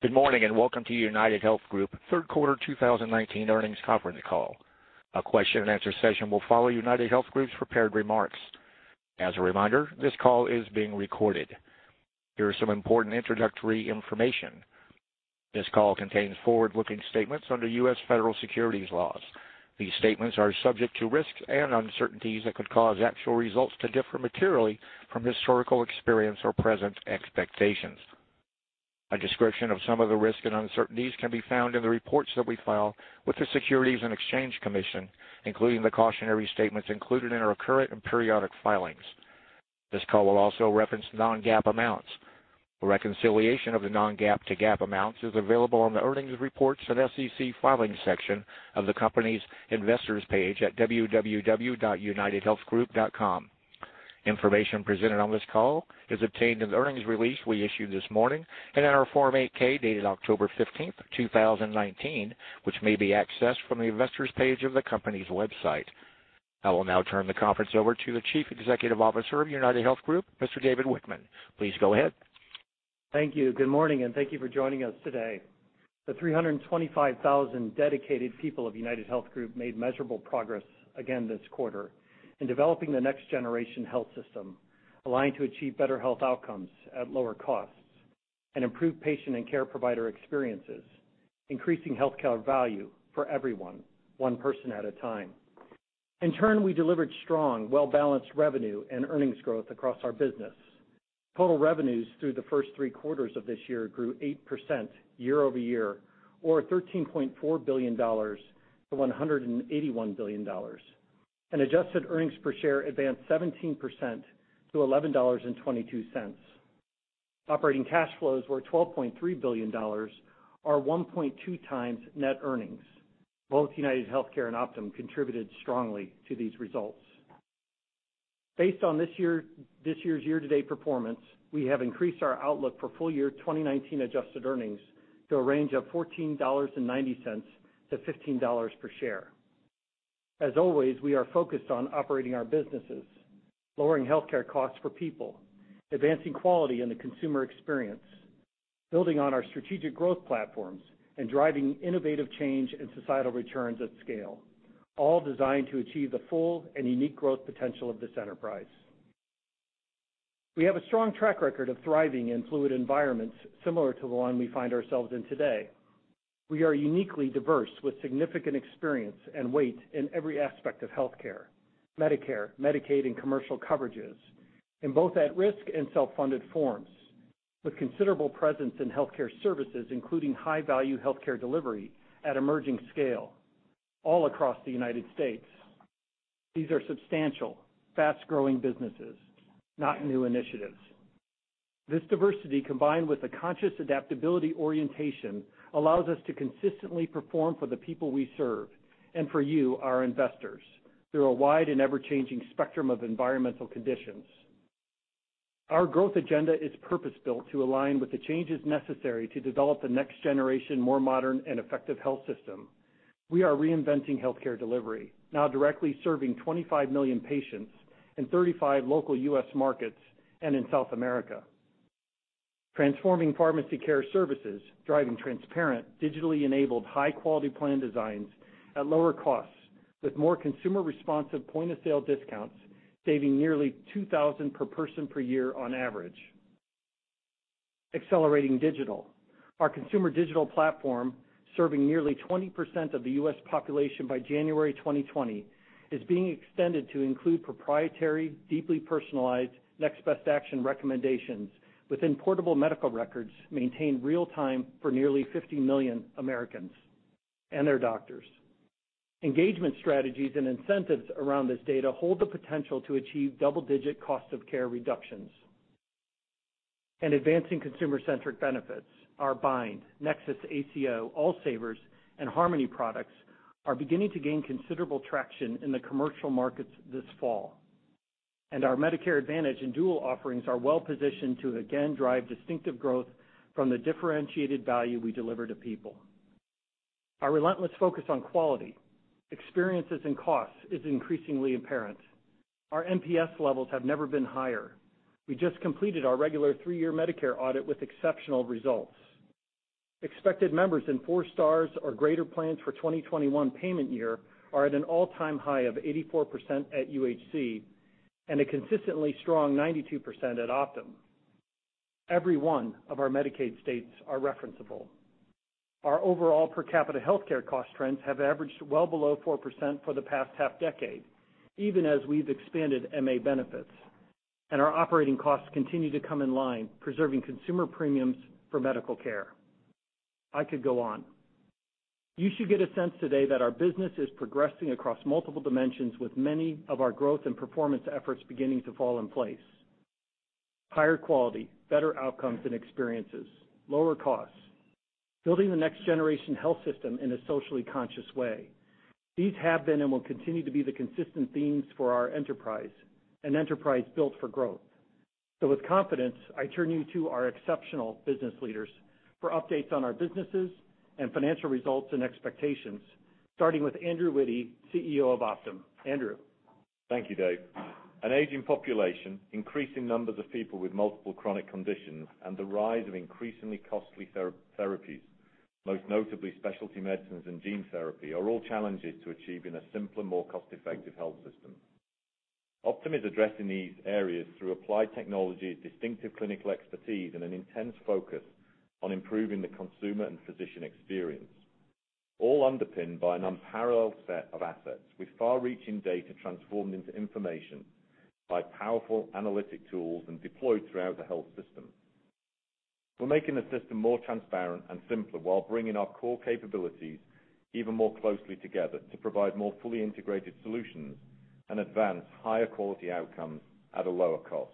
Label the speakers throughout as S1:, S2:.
S1: Good morning, and welcome to UnitedHealth Group third quarter 2019 earnings conference call. A question and answer session will follow UnitedHealth Group's prepared remarks. As a reminder, this call is being recorded. Here are some important introductory information. This call contains forward-looking statements under U.S. federal securities laws. These statements are subject to risks and uncertainties that could cause actual results to differ materially from historical experience or present expectations. A description of some of the risks and uncertainties can be found in the reports that we file with the Securities and Exchange Commission, including the cautionary statements included in our current and periodic filings. This call will also reference non-GAAP amounts. A reconciliation of the non-GAAP to GAAP amounts is available on the earnings reports and SEC filings section of the company's investors page at www.unitedhealthgroup.com. Information presented on this call is obtained in the earnings release we issued this morning and in our Form 8-K, dated October 15th, 2019, which may be accessed from the investors page of the company's website. I will now turn the conference over to the Chief Executive Officer of UnitedHealth Group, Mr. David Wichmann. Please go ahead.
S2: Thank you. Good morning, and thank you for joining us today. The 325,000 dedicated people of UnitedHealth Group made measurable progress again this quarter in developing the next generation health system, aligned to achieve better health outcomes at lower costs, and improve patient and care provider experiences, increasing healthcare value for everyone, one person at a time. In turn, we delivered strong, well-balanced revenue and earnings growth across our business. Total revenues through the first three quarters of this year grew 8% year-over-year, or $13.4 billion to $181 billion. Adjusted earnings per share advanced 17% to $11.22. Operating cash flows were $12.3 billion, or 1.2 times net earnings. Both UnitedHealthcare and Optum contributed strongly to these results. Based on this year's year-to-date performance, we have increased our outlook for full year 2019 adjusted earnings to a range of $14.90 to $15 per share. As always, we are focused on operating our businesses, lowering healthcare costs for people, advancing quality in the consumer experience, building on our strategic growth platforms, and driving innovative change and societal returns at scale, all designed to achieve the full and unique growth potential of this enterprise. We have a strong track record of thriving in fluid environments similar to the one we find ourselves in today. We are uniquely diverse with significant experience and weight in every aspect of healthcare, Medicare, Medicaid, and commercial coverages, in both at-risk and self-funded forms with considerable presence in healthcare services, including high-value healthcare delivery at emerging scale all across the United States. These are substantial, fast-growing businesses, not new initiatives. This diversity, combined with a conscious adaptability orientation, allows us to consistently perform for the people we serve and for you, our investors, through a wide and ever-changing spectrum of environmental conditions. Our growth agenda is purpose-built to align with the changes necessary to develop the next generation, more modern and effective health system. We are reinventing healthcare delivery, now directly serving 25 million patients in 35 local U.S. markets and in South America. Transforming pharmacy care services, driving transparent, digitally enabled high-quality plan designs at lower costs with more consumer-responsive point-of-sale discounts, saving nearly $2,000 per person per year on average. Accelerating digital. Our consumer digital platform, serving nearly 20% of the U.S. population by January 2020, is being extended to include proprietary, deeply personalized next-best-action recommendations within portable medical records maintained real time for nearly 50 million Americans and their doctors. Engagement strategies and incentives around this data hold the potential to achieve double-digit cost of care reductions. Advancing consumer-centric benefits. Our Bind, NexusACO, All Savers, and Harmony products are beginning to gain considerable traction in the commercial markets this fall. Our Medicare Advantage and dual offerings are well-positioned to again drive distinctive growth from the differentiated value we deliver to people. Our relentless focus on quality, experiences, and costs is increasingly apparent. Our NPS levels have never been higher. We just completed our regular three-year Medicare audit with exceptional results. Expected members in four stars or greater plans for 2021 payment year are at an all-time high of 84% at UHC and a consistently strong 92% at Optum. Every one of our Medicaid states are referenceable. Our overall per capita healthcare cost trends have averaged well below 4% for the past half-decade, even as we've expanded MA benefits, and our operating costs continue to come in line, preserving consumer premiums for medical care. I could go on. You should get a sense today that our business is progressing across multiple dimensions with many of our growth and performance efforts beginning to fall in place. Higher quality, better outcomes and experiences, lower costs, building the next generation health system in a socially conscious way. These have been and will continue to be the consistent themes for our enterprise, an enterprise built for growth. With confidence, I turn you to our exceptional business leaders for updates on our businesses and financial results and expectations, starting with Andrew Witty, CEO of Optum. Andrew?
S3: Thank you, Dave. An aging population, increasing numbers of people with multiple chronic conditions, and the rise of increasingly costly therapies, most notably specialty medicines and gene therapy, are all challenges to achieving a simpler, more cost-effective health system. Optum is addressing these areas through applied technology, distinctive clinical expertise, and an intense focus on improving the consumer and physician experience, all underpinned by an unparalleled set of assets with far-reaching data transformed into information by powerful analytic tools and deployed throughout the health system. We're making the system more transparent and simpler while bringing our core capabilities even more closely together to provide more fully integrated solutions and advance higher quality outcomes at a lower cost.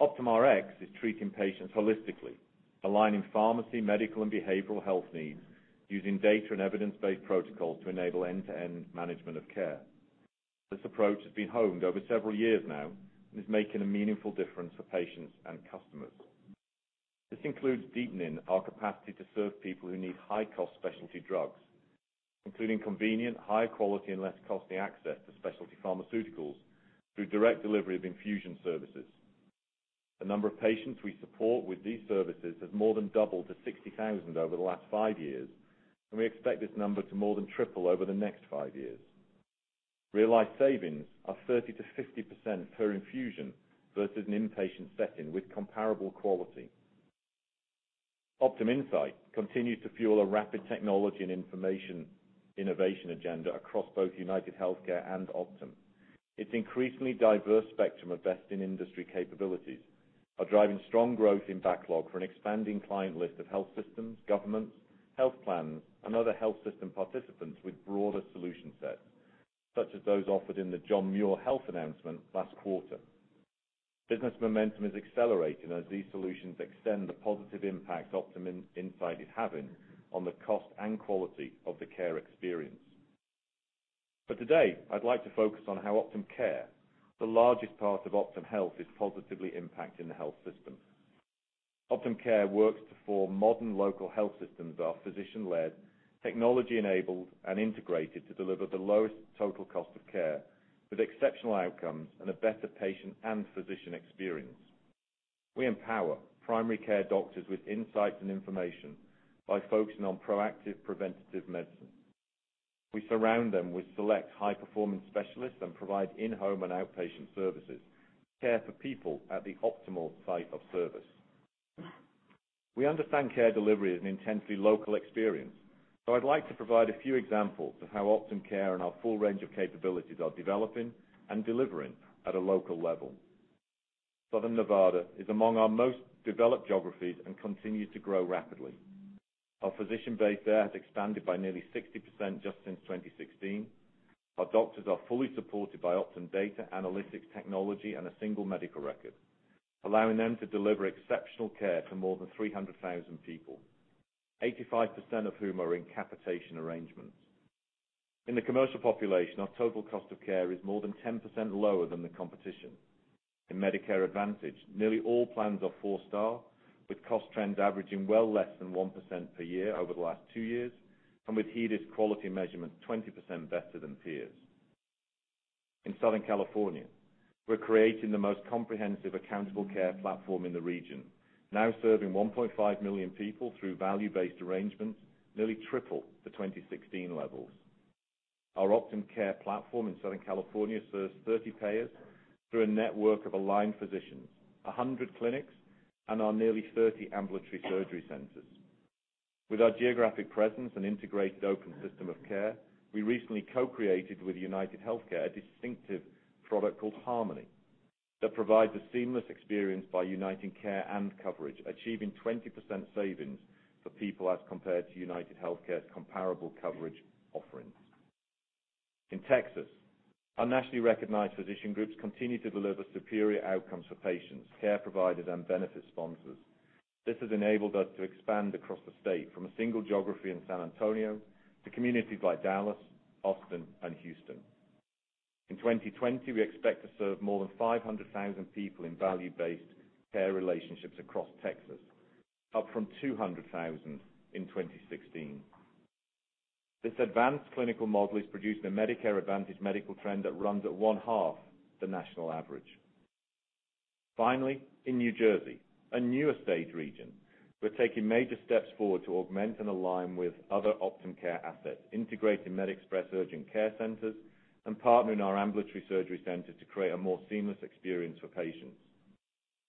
S3: Optum Rx is treating patients holistically, aligning pharmacy, medical, and behavioral health needs using data and evidence-based protocols to enable end-to-end management of care. This approach has been honed over several years now and is making a meaningful difference for patients and customers. This includes deepening our capacity to serve people who need high-cost specialty drugs, including convenient, high quality, and less costly access to specialty pharmaceuticals through direct delivery of infusion services. The number of patients we support with these services has more than doubled to 60,000 over the last five years, and we expect this number to more than triple over the next five years. Realized savings are 30%-50% per infusion versus an inpatient setting with comparable quality. Optum Insight continues to fuel a rapid technology and information innovation agenda across both UnitedHealthcare and Optum. Its increasingly diverse spectrum of best-in-industry capabilities are driving strong growth in backlog for an expanding client list of health systems, governments, health plans, and other health system participants with broader solution sets, such as those offered in the John Muir Health announcement last quarter. Business momentum is accelerating as these solutions extend the positive impact Optum Insight is having on the cost and quality of the care experience. For today, I'd like to focus on how Optum Care, the largest part of Optum Health, is positively impacting the health system. Optum Care works to form modern local health systems that are physician-led, technology-enabled, and integrated to deliver the lowest total cost of care with exceptional outcomes and a better patient and physician experience. We empower primary care doctors with insights and information by focusing on proactive preventative medicine. We surround them with select high-performance specialists and provide in-home and outpatient services, care for people at the optimal site of service. We understand care delivery is an intensely local experience. I'd like to provide a few examples of how Optum Care and our full range of capabilities are developing and delivering at a local level. Southern Nevada is among our most developed geographies and continues to grow rapidly. Our physician base there has expanded by nearly 60% just since 2016. Our doctors are fully supported by Optum data analytics technology and a single medical record, allowing them to deliver exceptional care to more than 300,000 people, 85% of whom are in capitation arrangements. In the commercial population, our total cost of care is more than 10% lower than the competition. In Medicare Advantage, nearly all plans are four-star, with cost trends averaging well less than 1% per year over the last two years, and with HEDIS quality measurements 20% better than peers. In Southern California, we're creating the most comprehensive accountable care platform in the region, now serving 1.5 million people through value-based arrangements, nearly triple the 2016 levels. Our Optum Care platform in Southern California serves 30 payers through a network of aligned physicians, 100 clinics, and our nearly 30 ambulatory surgery centers. With our geographic presence and integrated open system of care, we recently co-created with UnitedHealthcare a distinctive product called Harmony that provides a seamless experience by uniting care and coverage, achieving 20% savings for people as compared to UnitedHealthcare's comparable coverage offerings. In Texas, our nationally recognized physician groups continue to deliver superior outcomes for patients, care providers, and benefit sponsors. This has enabled us to expand across the state from a single geography in San Antonio to communities like Dallas, Austin, and Houston. In 2020, we expect to serve more than 500,000 people in value-based care relationships across Texas, up from 200,000 in 2016. This advanced clinical model is producing a Medicare Advantage medical trend that runs at one-half the national average. Finally, in New Jersey, a newer state region, we're taking major steps forward to augment and align with other Optum Care assets, integrating MedExpress urgent care centers and partnering our ambulatory surgery centers to create a more seamless experience for patients.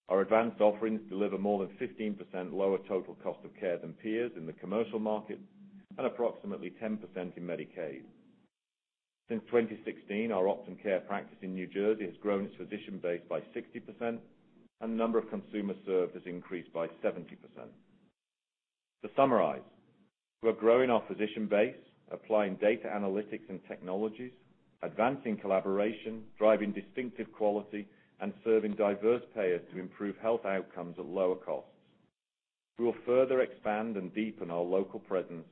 S3: Our advanced offerings deliver more than 15% lower total cost of care than peers in the commercial market and approximately 10% in Medicaid. Since 2016, our Optum Care practice in New Jersey has grown its physician base by 60%, and the number of consumers served has increased by 70%. To summarize, we're growing our physician base, applying data analytics and technologies, advancing collaboration, driving distinctive quality, and serving diverse payers to improve health outcomes at lower costs. We will further expand and deepen our local presence,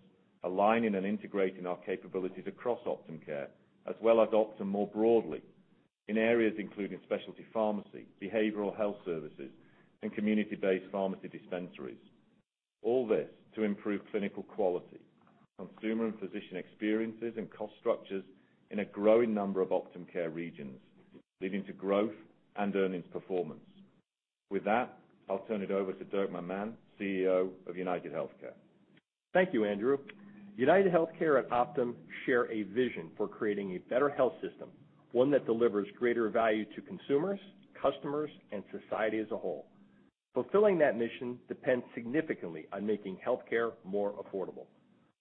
S3: aligning and integrating our capabilities across Optum Care, as well as Optum more broadly in areas including specialty pharmacy, behavioral health services, and community-based pharmacy dispensaries. All this to improve clinical quality, consumer and physician experiences, and cost structures in a growing number of Optum Care regions, leading to growth and earnings performance. With that, I'll turn it over to Dirk McMahon, CEO of UnitedHealthcare.
S4: Thank you, Andrew. UnitedHealthcare and Optum share a vision for creating a better health system, one that delivers greater value to consumers, customers, and society as a whole. Fulfilling that mission depends significantly on making healthcare more affordable.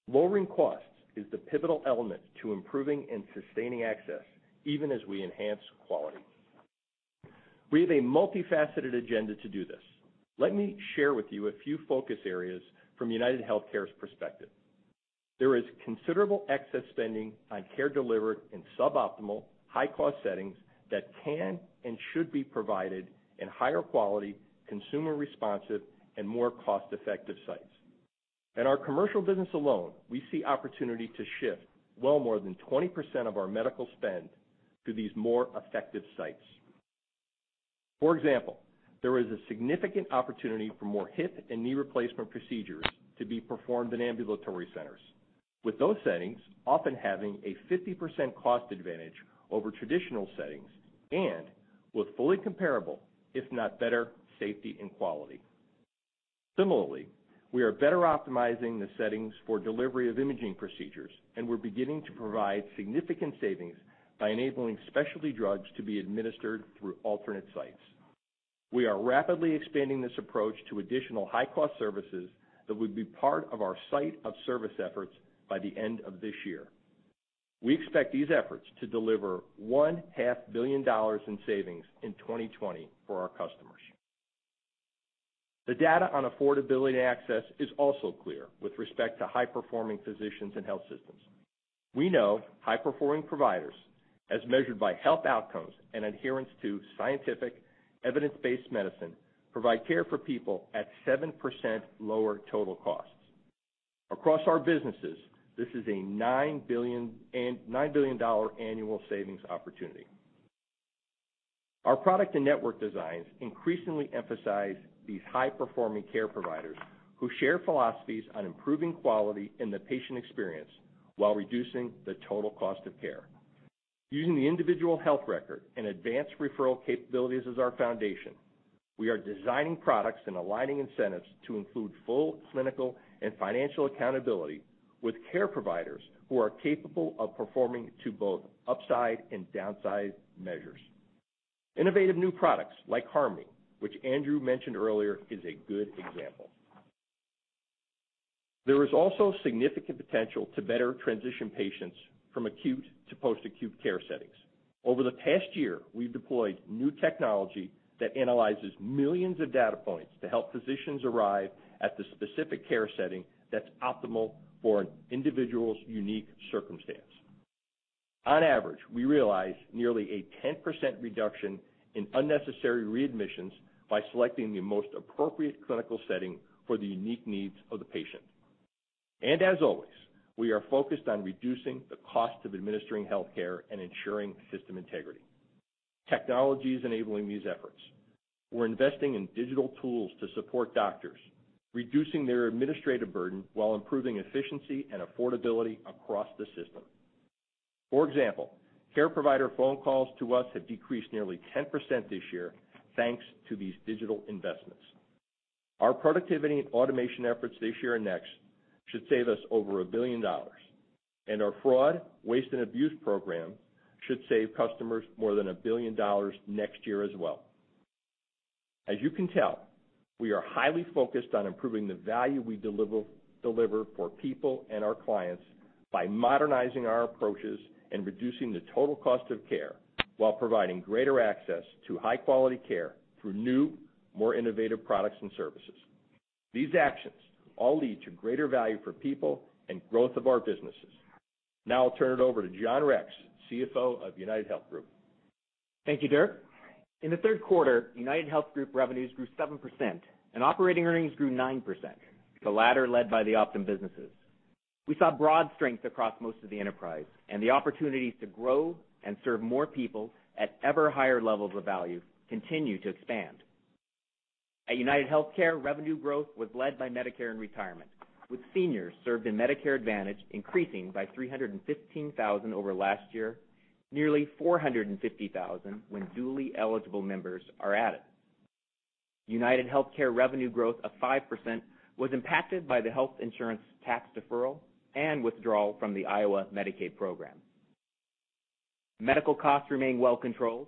S4: Lowering costs is the pivotal element to improving and sustaining access, even as we enhance quality. We have a multifaceted agenda to do this. Let me share with you a few focus areas from UnitedHealthcare's perspective. There is considerable excess spending on care delivered in suboptimal, high-cost settings that can and should be provided in higher quality, consumer-responsive, and more cost-effective sites. In our commercial business alone, we see opportunity to shift well more than 20% of our medical spend to these more effective sites. For example, there is a significant opportunity for more hip and knee replacement procedures to be performed in ambulatory centers. With those settings often having a 50% cost advantage over traditional settings and with fully comparable, if not better, safety and quality. Similarly, we are better optimizing the settings for delivery of imaging procedures, and we're beginning to provide significant savings by enabling specialty drugs to be administered through alternate sites. We are rapidly expanding this approach to additional high-cost services that would be part of our site of service efforts by the end of this year. We expect these efforts to deliver $1.5 billion in savings in 2020 for our customers. The data on affordability and access is also clear with respect to high-performing physicians and health systems. We know high-performing providers, as measured by health outcomes and adherence to scientific evidence-based medicine, provide care for people at 7% lower total costs. Across our businesses, this is a $9 billion annual savings opportunity. Our product and network designs increasingly emphasize these high-performing care providers who share philosophies on improving quality in the patient experience while reducing the total cost of care. Using the individual health record and advanced referral capabilities as our foundation, we are designing products and aligning incentives to include full clinical and financial accountability with care providers who are capable of performing to both upside and downside measures. Innovative new products like Harmony, which Andrew mentioned earlier, is a good example. There is also significant potential to better transition patients from acute to post-acute care settings. Over the past year, we've deployed new technology that analyzes millions of data points to help physicians arrive at the specific care setting that's optimal for an individual's unique circumstance. On average, we realize nearly a 10% reduction in unnecessary readmissions by selecting the most appropriate clinical setting for the unique needs of the patient. As always, we are focused on reducing the cost of administering healthcare and ensuring system integrity. Technology is enabling these efforts. We're investing in digital tools to support doctors, reducing their administrative burden while improving efficiency and affordability across the system. For example, care provider phone calls to us have decreased nearly 10% this year thanks to these digital investments. Our productivity and automation efforts this year and next should save us over $1 billion, and our fraud, waste, and abuse program should save customers more than $1 billion next year as well. As you can tell, we are highly focused on improving the value we deliver for people and our clients by modernizing our approaches and reducing the total cost of care while providing greater access to high-quality care through new, more innovative products and services. These actions all lead to greater value for people and growth of our businesses. Now I'll turn it over to John Rex, CFO of UnitedHealth Group.
S5: Thank you, Dirk. In the third quarter, UnitedHealth Group revenues grew 7% and operating earnings grew 9%, the latter led by the Optum businesses. The opportunities to grow and serve more people at ever higher levels of value continue to expand. At UnitedHealthcare, revenue growth was led by Medicare and Retirement, with seniors served in Medicare Advantage increasing by 315,000 over last year, nearly 450,000 when dually eligible members are added. UnitedHealthcare revenue growth of 5% was impacted by the health insurance tax deferral and withdrawal from the Iowa Medicaid program. Medical costs remain well controlled.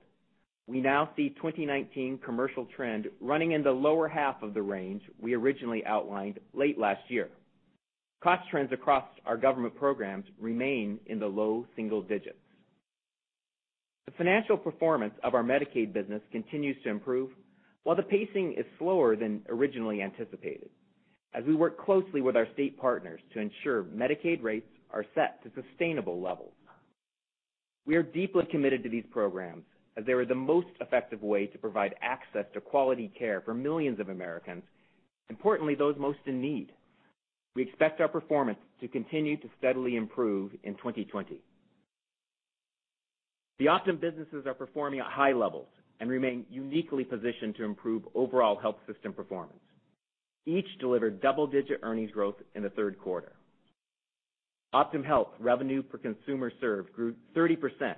S5: We now see 2019 commercial trend running in the lower half of the range we originally outlined late last year. Cost trends across our government programs remain in the low single digits. The financial performance of our Medicaid business continues to improve while the pacing is slower than originally anticipated as we work closely with our state partners to ensure Medicaid rates are set to sustainable levels. We are deeply committed to these programs as they are the most effective way to provide access to quality care for millions of Americans, importantly, those most in need. We expect our performance to continue to steadily improve in 2020. The Optum businesses are performing at high levels and remain uniquely positioned to improve overall health system performance. Each delivered double-digit earnings growth in the third quarter. Optum Health revenue per consumer served grew 30%,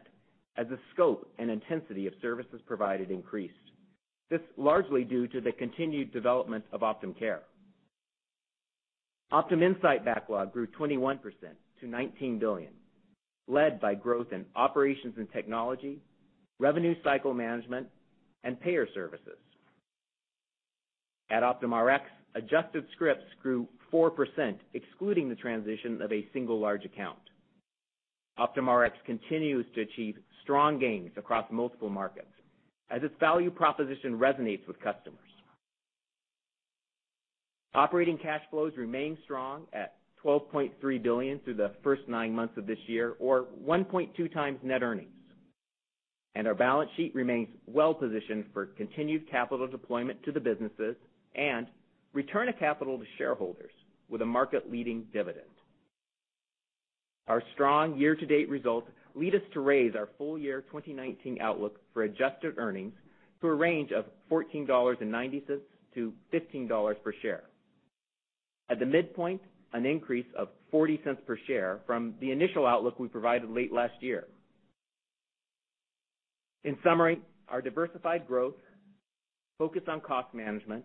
S5: as the scope and intensity of services provided increased. This largely due to the continued development of Optum Care. Optum Insight backlog grew 21% to $19 billion, led by growth in operations and technology, revenue cycle management, and payer services. At Optum Rx, adjusted scripts grew 4%, excluding the transition of a single large account. Optum Rx continues to achieve strong gains across multiple markets as its value proposition resonates with customers. Operating cash flows remain strong at $12.3 billion through the first nine months of this year, or 1.2 times net earnings. Our balance sheet remains well-positioned for continued capital deployment to the businesses and return of capital to shareholders with a market-leading dividend. Our strong year-to-date results lead us to raise our full year 2019 outlook for adjusted earnings to a range of $14.90-$15 per share. At the midpoint, an increase of $0.40 per share from the initial outlook we provided late last year. In summary, our diversified growth, focus on cost management,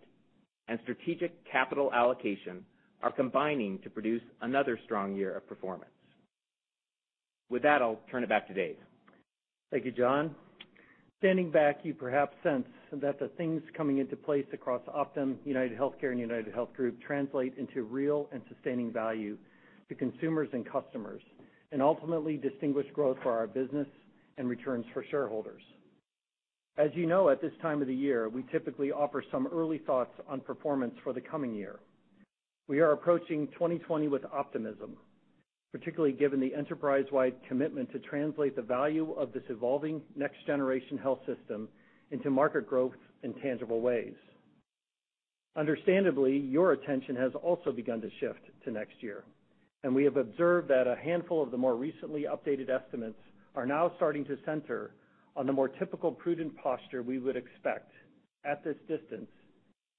S5: and strategic capital allocation are combining to produce another strong year of performance. With that, I'll turn it back to Dave.
S2: Thank you, John. Standing back, you perhaps sense that the things coming into place across Optum, UnitedHealthcare and UnitedHealth Group translate into real and sustaining value to consumers and customers, and ultimately distinguish growth for our business and returns for shareholders. As you know, at this time of the year, we typically offer some early thoughts on performance for the coming year. We are approaching 2020 with optimism, particularly given the enterprise-wide commitment to translate the value of this evolving next-generation health system into market growth in tangible ways. Understandably, your attention has also begun to shift to next year, and we have observed that a handful of the more recently updated estimates are now starting to center on the more typical prudent posture we would expect at this distance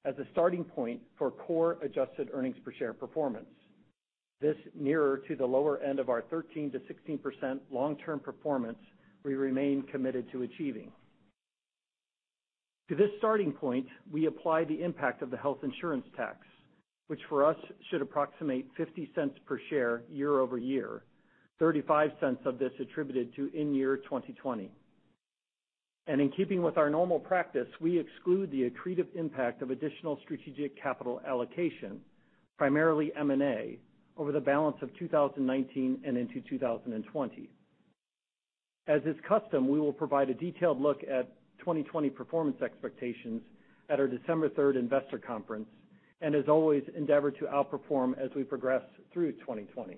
S2: as a starting point for core adjusted earnings per share performance. This nearer to the lower end of our 13%-16% long-term performance we remain committed to achieving. To this starting point, we apply the impact of the health insurance tax, which for us should approximate $0.50 per share year-over-year, $0.35 of this attributed to in year 2020. In keeping with our normal practice, we exclude the accretive impact of additional strategic capital allocation, primarily M&A, over the balance of 2019 and into 2020. As is custom, we will provide a detailed look at 2020 performance expectations at our December 3rd investor conference, as always, endeavor to outperform as we progress through 2020.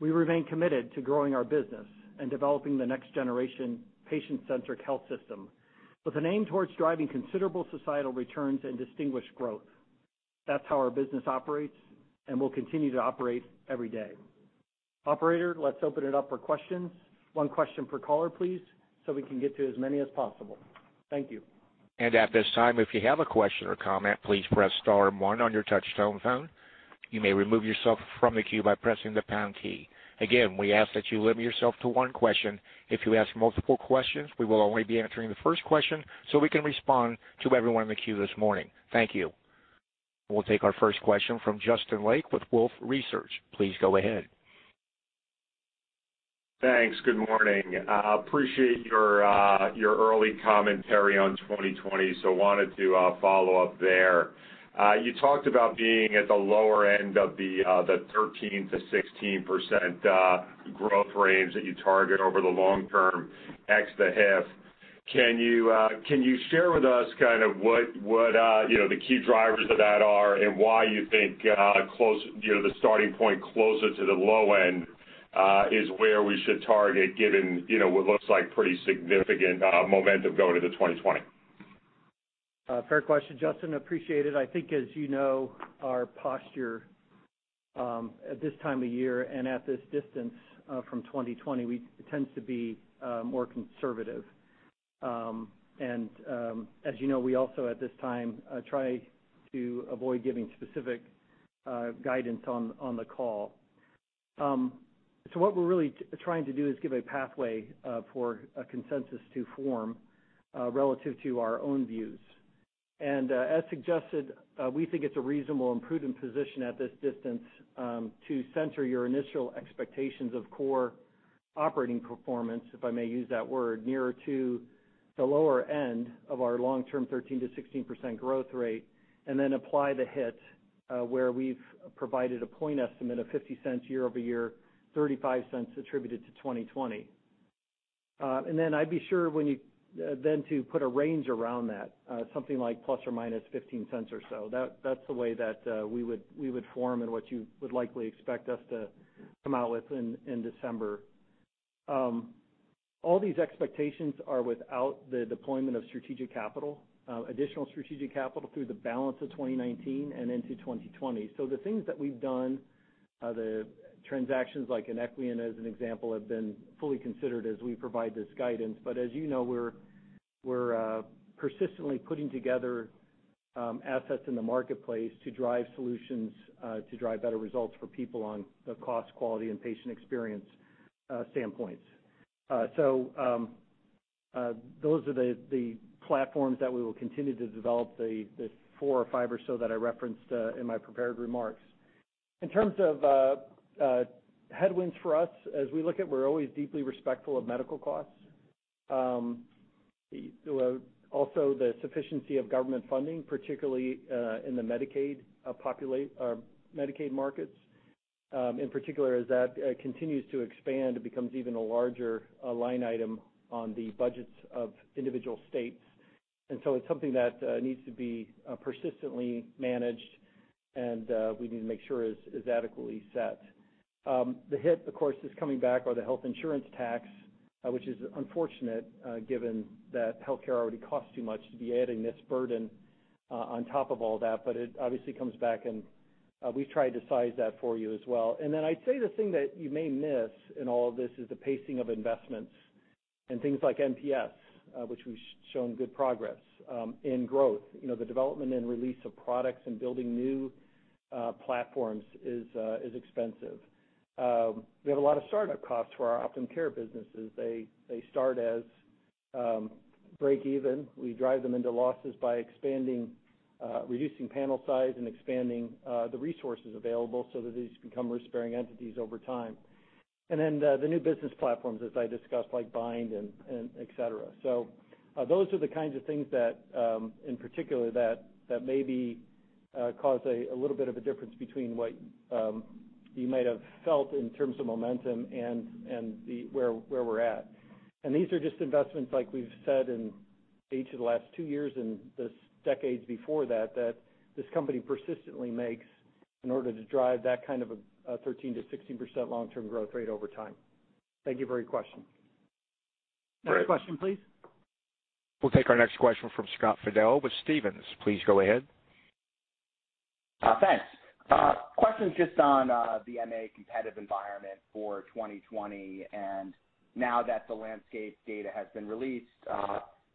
S2: We remain committed to growing our business and developing the next generation patient-centric health system with an aim towards driving considerable societal returns and distinguished growth. That's how our business operates and will continue to operate every day. Operator, let's open it up for questions. One question per caller, please, so we can get to as many as possible. Thank you.
S1: At this time, if you have a question or comment, please press star one on your touchtone phone. You may remove yourself from the queue by pressing the pound key. Again, we ask that you limit yourself to one question. If you ask multiple questions, we will only be answering the first question so we can respond to everyone in the queue this morning. Thank you. We'll take our first question from Justin Lake with Wolfe Research. Please go ahead.
S6: Thanks. Good morning. Appreciate your early commentary on 2020, wanted to follow up there. You talked about being at the lower end of the 13%-16% growth range that you target over the long term, ex the HIF. Can you share with us kind of what the key drivers of that are and why you think the starting point closer to the low end is where we should target given what looks like pretty significant momentum going into 2020?
S2: Fair question, Justin, appreciate it. I think as you know, our posture at this time of year and at this distance from 2020, it tends to be more conservative. As you know, we also at this time try to avoid giving specific guidance on the call. What we're really trying to do is give a pathway for a consensus to form relative to our own views. As suggested, we think it's a reasonable and prudent position at this distance to center your initial expectations of core operating performance, if I may use that word, nearer to the lower end of our long-term 13%-16% growth rate, then apply the hit where we've provided a point estimate of $0.50 year-over-year, $0.35 attributed to 2020. Then I'd be sure then to put a range around that, something like ±$0.15 or so. That's the way that we would form and what you would likely expect us to come out with in December. All these expectations are without the deployment of strategic capital, additional strategic capital through the balance of 2019 and into 2020. The transactions like in Equian, as an example, have been fully considered as we provide this guidance. As you know, we're persistently putting together assets in the marketplace to drive solutions to drive better results for people on the cost, quality, and patient experience standpoints. Those are the platforms that we will continue to develop, the four or five or so that I referenced in my prepared remarks. In terms of headwinds for us, as we look at, we're always deeply respectful of medical costs. Also the sufficiency of government funding, particularly in the Medicaid markets. In particular, as that continues to expand, it becomes even a larger line item on the budgets of individual states. It's something that needs to be persistently managed and we need to make sure is adequately set. The HIF, of course, is coming back or the health insurance tax, which is unfortunate given that health care already costs too much to be adding this burden on top of all that. It obviously comes back, and we've tried to size that for you as well. I'd say the thing that you may miss in all of this is the pacing of investments in things like NPS, which we've shown good progress in growth. The development and release of products and building new platforms is expensive. We have a lot of startup costs for our Optum Care businesses. They start as break even. We drive them into losses by reducing panel size and expanding the resources available so that these become risk-bearing entities over time. The new business platforms, as I discussed, like Bind and et cetera. Those are the kinds of things that, in particular, that maybe cause a little bit of a difference between what you might have felt in terms of momentum and where we're at. These are just investments, like we've said in each of the last two years and the decades before that this company persistently makes in order to drive that kind of a 13%-16% long-term growth rate over time. Thank you for your question.
S4: Great.
S2: Next question, please.
S1: We'll take our next question from Scott Fidel with Stephens. Please go ahead.
S7: Thanks. Question just on the MA competitive environment for 2020, and now that the landscape data has been released,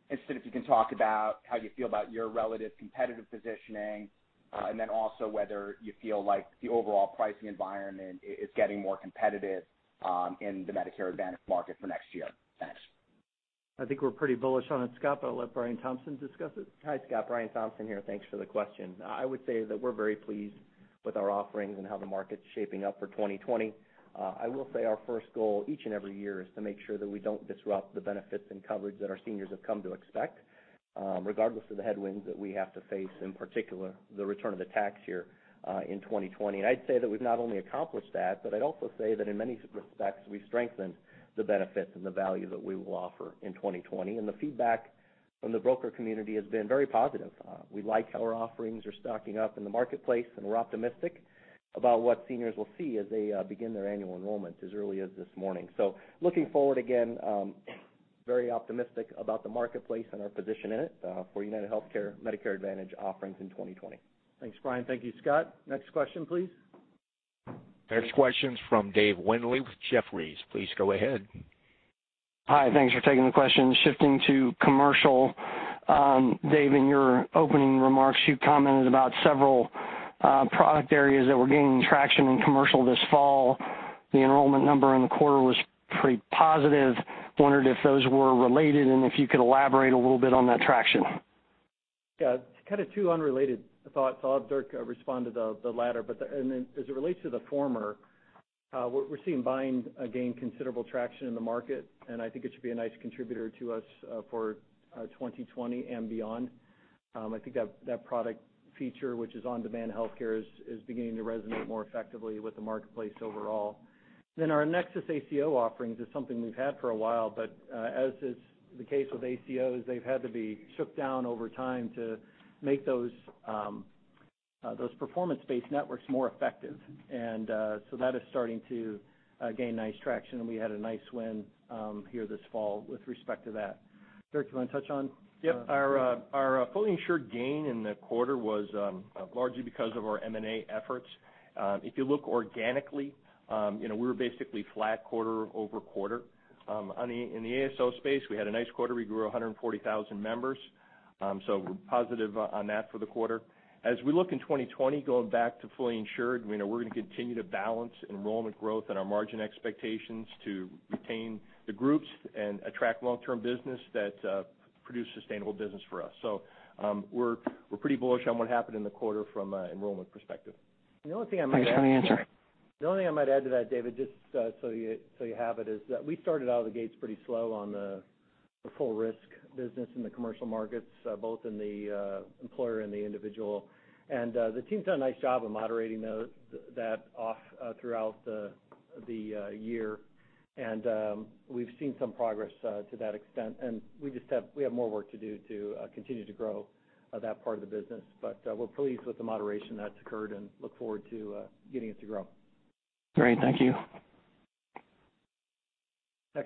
S7: and see if you can talk about how you feel about your relative competitive positioning, and then also whether you feel like the overall pricing environment is getting more competitive in the Medicare Advantage market for next year. Thanks.
S2: I think we're pretty bullish on it, Scott, but I'll let Brian Thompson discuss it.
S8: Hi, Scott. Brian Thompson here. Thanks for the question. I would say that we're very pleased with our offerings and how the market's shaping up for 2020. I will say our first goal each and every year is to make sure that we don't disrupt the benefits and coverage that our seniors have come to expect, regardless of the headwinds that we have to face, in particular, the return of the tax year in 2020. I'd say that we've not only accomplished that, but I'd also say that in many respects, we've strengthened the benefits and the value that we will offer in 2020. The feedback from the broker community has been very positive. We like how our offerings are stocking up in the marketplace, and we're optimistic about what seniors will see as they begin their annual enrollment as early as this morning. Looking forward again, very optimistic about the marketplace and our position in it for UnitedHealthcare Medicare Advantage offerings in 2020.
S2: Thanks, Brian. Thank you, Scott. Next question, please.
S1: Next question's from Dave Windley with Jefferies. Please go ahead.
S9: Hi. Thanks for taking the question. Shifting to commercial. Dave, in your opening remarks, you commented about several product areas that were gaining traction in commercial this fall. The enrollment number in the quarter was pretty positive. I wondered if those were related, and if you could elaborate a little bit on that traction.
S2: Yeah. It's kind of two unrelated thoughts. I'll have Dirk respond to the latter. As it relates to the former, we're seeing Bind gain considerable traction in the market, and I think it should be a nice contributor to us for 2020 and beyond. I think that product feature, which is on-demand healthcare, is beginning to resonate more effectively with the marketplace overall. Our NexusACO offerings is something we've had for a while, but as is the case with ACOs, they've had to be shook down over time to make those performance-based networks more effective. That is starting to gain nice traction, and we had a nice win here this fall with respect to that. Dirk, you want to touch?
S4: Yep. Our fully insured gain in the quarter was largely because of our M&A efforts. If you look organically, we were basically flat quarter-over-quarter. In the ASO space, we had a nice quarter. We grew 140,000 members. We're positive on that for the quarter. As we look in 2020, going back to fully insured, we know we're going to continue to balance enrollment growth and our margin expectations to retain the groups and attract long-term business that produce sustainable business for us. We're pretty bullish on what happened in the quarter from an enrollment perspective.
S9: Thanks for the answer.
S2: The only thing I might add to that, David, just so you have it, is that we started out of the gates pretty slow on the full risk business in the commercial markets, both in the employer and the individual. The team's done a nice job of moderating that off throughout the year. We've seen some progress to that extent, and we have more work to do to continue to grow that part of the business. We're pleased with the moderation that's occurred and look forward to getting it to grow.
S9: Great. Thank you.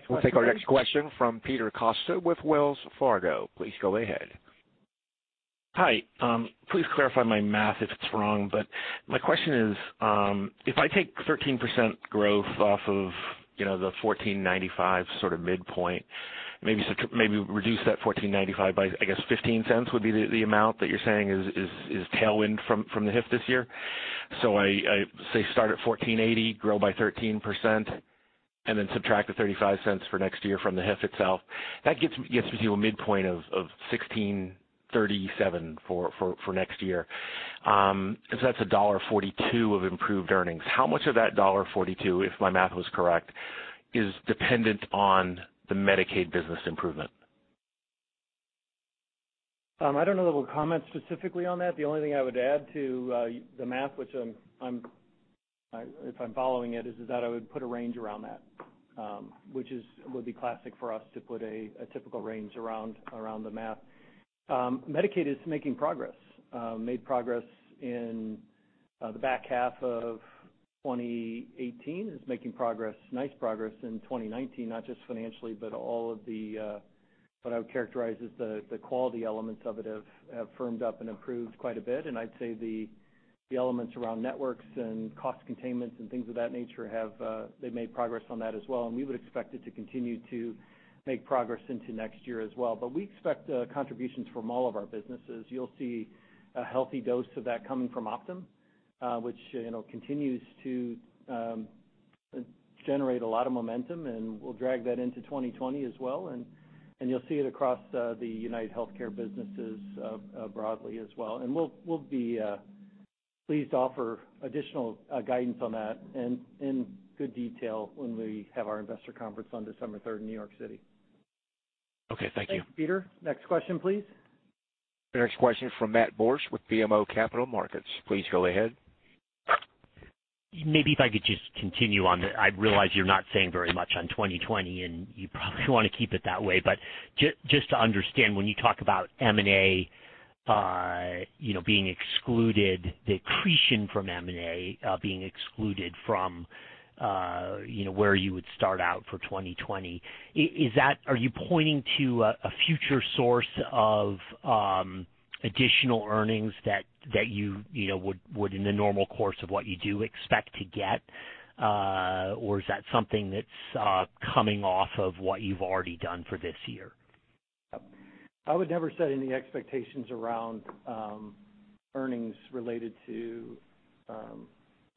S1: We'll take our next question from Peter Costa with Wells Fargo. Please go ahead.
S10: Hi. Please clarify my math if it's wrong, but my question is, if I take 13% growth off of the $14.95 sort of midpoint, maybe reduce that $14.95 by, I guess, $0.15 would be the amount that you're saying is tailwind from the HIF this year. Say, start at $14.80, grow by 13%, and then subtract the $0.35 for next year from the HIF itself. That gets me to a midpoint of $16.37 for next year. That's $1.42 of improved earnings. How much of that $1.42, if my math was correct, is dependent on the Medicaid business improvement?
S2: I don't know that we'll comment specifically on that. The only thing I would add to the math, if I'm following it, is that I would put a range around that, which would be classic for us to put a typical range around the math. Medicaid is making progress. Made progress in the back half of 2018, is making nice progress in 2019, not just financially, but all of what I would characterize as the quality elements of it have firmed up and improved quite a bit. I'd say the elements around networks and cost containments and things of that nature have made progress on that as well, and we would expect it to continue to make progress into next year as well. We expect contributions from all of our businesses. You'll see a healthy dose of that coming from Optum, which continues to generate a lot of momentum, and we'll drag that into 2020 as well. You'll see it across the UnitedHealthcare businesses broadly as well. We'll be pleased to offer additional guidance on that and in good detail when we have our investor conference on December 3rd in New York City.
S10: Okay, thank you.
S2: Thanks, Peter. Next question, please.
S1: The next question is from Matthew Borsch with BMO Capital Markets. Please go ahead.
S11: I realize you're not saying very much on 2020, and you probably want to keep it that way, but just to understand, when you talk about M&A being excluded, the accretion from M&A being excluded from where you would start out for 2020, are you pointing to a future source of additional earnings that you would, in the normal course of what you do, expect to get? Or is that something that's coming off of what you've already done for this year?
S2: I would never set any expectations around earnings related to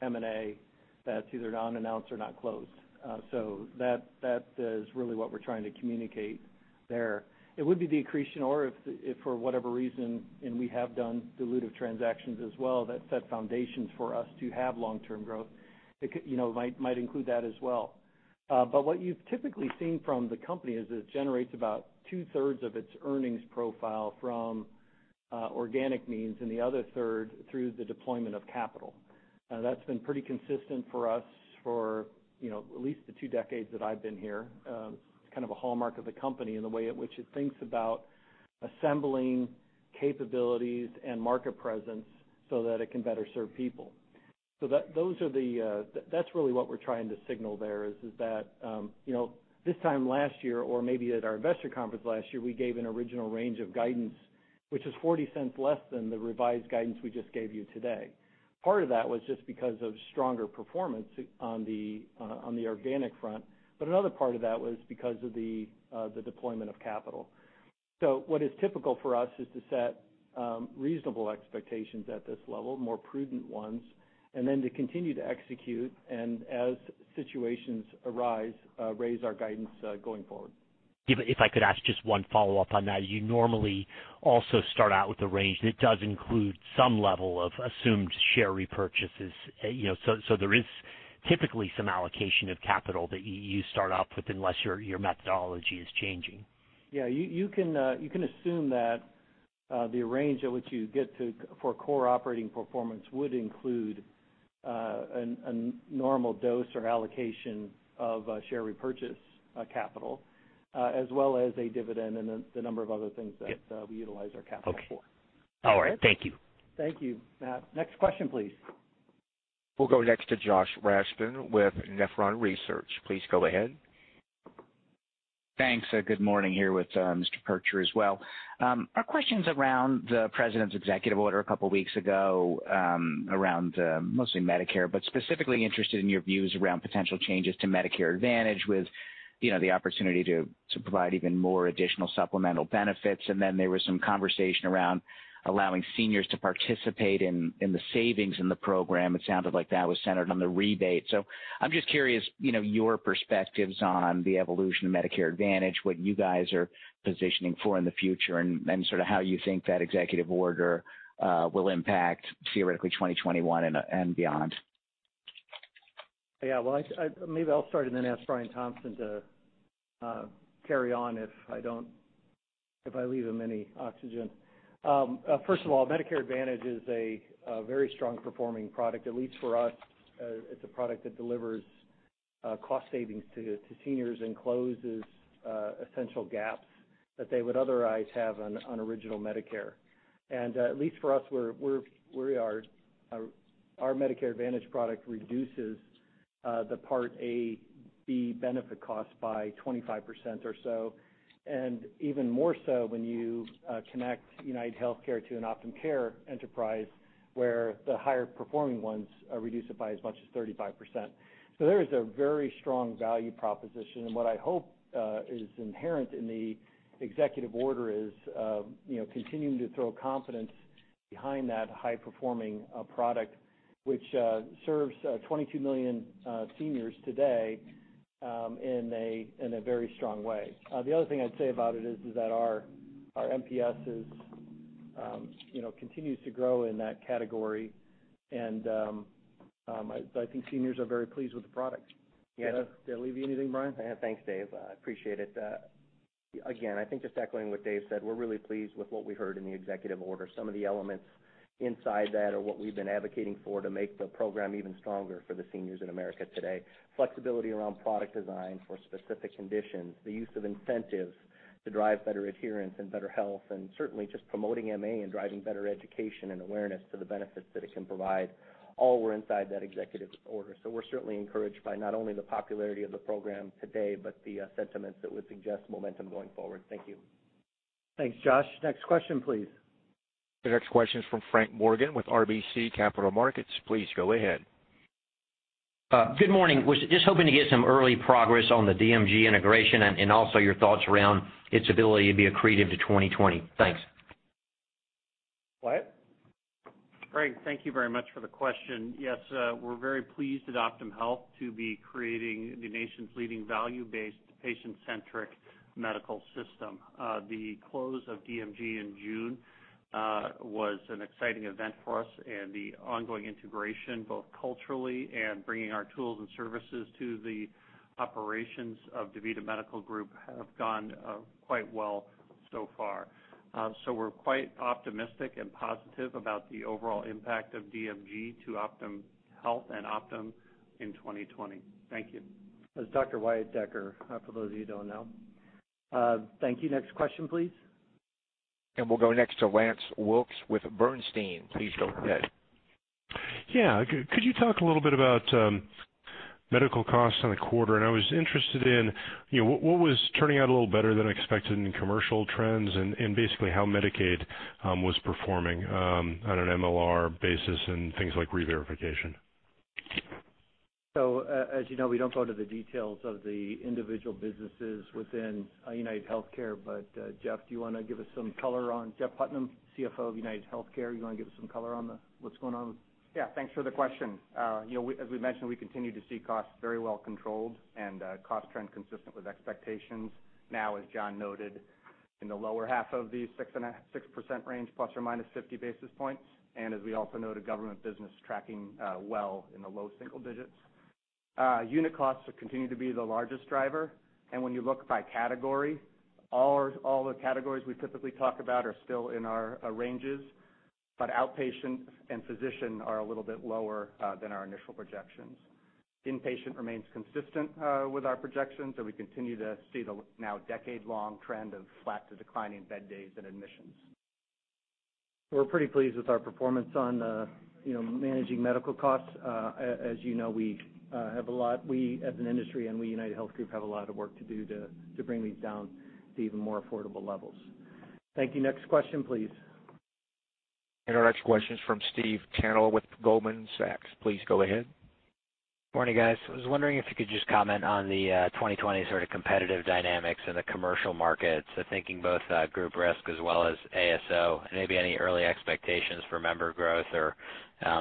S2: M&A that's either non-announced or not closed. That is really what we're trying to communicate there. It would be the accretion or if for whatever reason, and we have done dilutive transactions as well, that set foundations for us to have long-term growth. It might include that as well. What you've typically seen from the company is it generates about two-thirds of its earnings profile from organic means, and the other third through the deployment of capital. That's been pretty consistent for us for at least the two decades that I've been here. It's kind of a hallmark of the company in the way in which it thinks about assembling capabilities and market presence so that it can better serve people. That's really what we're trying to signal there, is that this time last year, or maybe at our investor conference last year, we gave an original range of guidance, which is $0.40 less than the revised guidance we just gave you today. Part of that was just because of stronger performance on the organic front, another part of that was because of the deployment of capital. What is typical for us is to set reasonable expectations at this level, more prudent ones, and then to continue to execute, and as situations arise, raise our guidance going forward.
S11: If I could ask just one follow-up on that, you normally also start out with a range that does include some level of assumed share repurchases. There is typically some allocation of capital that you start out with, unless your methodology is changing.
S2: Yeah, you can assume that the range at which you get to for core operating performance would include a normal dose or allocation of share repurchase capital, as well as a dividend and the number of other things that.
S11: Yep
S2: we utilize our capital for.
S11: All right. Thank you.
S2: Thank you, Matt. Next question, please.
S1: We'll go next to Joshua Raskin with Nephron Research. Please go ahead.
S12: Thanks. Good morning here with Mr. Percher as well. Our question's around the President's Executive Order a couple of weeks ago around mostly Medicare, but specifically interested in your views around potential changes to Medicare Advantage with the opportunity to provide even more additional supplemental benefits. There was some conversation around allowing seniors to participate in the savings in the program. It sounded like that was centered on the rebate. I'm just curious, your perspectives on the evolution of Medicare Advantage, what you guys are positioning for in the future, and sort of how you think that Executive Order will impact theoretically 2021 and beyond.
S2: Yeah, well, maybe I'll start and then ask Brian Thompson to carry on if I leave him any oxygen. First of all, Medicare Advantage is a very strong performing product. At least for us, it's a product that delivers cost savings to seniors and closes essential gaps that they would otherwise have on Original Medicare. At least for us, our Medicare Advantage product reduces the Part A B benefit cost by 25% or so, and even more so when you connect UnitedHealthcare to an Optum Care enterprise, where the higher performing ones reduce it by as much as 35%. There is a very strong value proposition, and what I hope is inherent in the Executive Order is continuing to throw confidence behind that high-performing product, which serves 22 million seniors today in a very strong way. The other thing I'd say about it is that our NPS continues to grow in that category, and I think seniors are very pleased with the product. Did I leave you anything, Brian?
S8: Thanks, Dave. I appreciate it. Again, I think just echoing what Dave said, we're really pleased with what we heard in the Executive Order. Some of the elements inside that are what we've been advocating for to make the program even stronger for the seniors in America today. Flexibility around product design for specific conditions, the use of incentives to drive better adherence and better health, and certainly just promoting MA and driving better education and awareness to the benefits that it can provide. All were inside that Executive Order. We're certainly encouraged by not only the popularity of the program today, but the sentiments that would suggest momentum going forward. Thank you.
S2: Thanks, Josh. Next question, please.
S1: The next question is from Frank Morgan with RBC Capital Markets. Please go ahead.
S13: Good morning. I was just hoping to get some early progress on the DMG integration and also your thoughts around its ability to be accretive to 2020. Thanks.
S2: Wyatt?
S14: Frank, thank you very much for the question. Yes, we're very pleased at Optum Health to be creating the nation's leading value-based, patient-centric medical system. The close of DMG in June was an exciting event for us, and the ongoing integration, both culturally and bringing our tools and services to the operations of DaVita Medical Group, have gone quite well so far. We're quite optimistic and positive about the overall impact of DMG to Optum Health and Optum in 2020. Thank you.
S2: That's Dr. Wyatt Decker, for those of you who don't know. Thank you. Next question, please.
S1: We'll go next to Lance Wilkes with Bernstein. Please go ahead.
S15: Yeah. Could you talk a little bit about medical costs in the quarter? I was interested in what was turning out a little better than expected in commercial trends and basically how Medicaid was performing on an MLR basis and things like reverification.
S2: As you know, we don't go into the details of the individual businesses within UnitedHealthcare. Jeff, do you want to give us some color on Jeff Putnam, CFO of UnitedHealthcare, you want to give us some color on what's going on?
S16: Yeah. Thanks for the question. As we mentioned, we continue to see costs very well controlled and cost trend consistent with expectations. As John noted, in the lower half of the 6% range, ±50 basis points. As we also noted, government business is tracking well in the low single digits. Unit costs continue to be the largest driver, and when you look by category, all the categories we typically talk about are still in our ranges. Outpatient and physician are a little bit lower than our initial projections. Inpatient remains consistent with our projections, and we continue to see the now decade-long trend of flat to declining bed days and admissions.
S2: We're pretty pleased with our performance on managing medical costs. As you know, we as an industry and we, UnitedHealth Group, have a lot of work to do to bring these down to even more affordable levels. Thank you. Next question, please.
S1: Our next question is from Stephen Tanal with Goldman Sachs. Please go ahead.
S17: Morning, guys. I was wondering if you could just comment on the 2020 sort of competitive dynamics in the commercial markets. Thinking both group risk as well as ASO, and maybe any early expectations for member growth or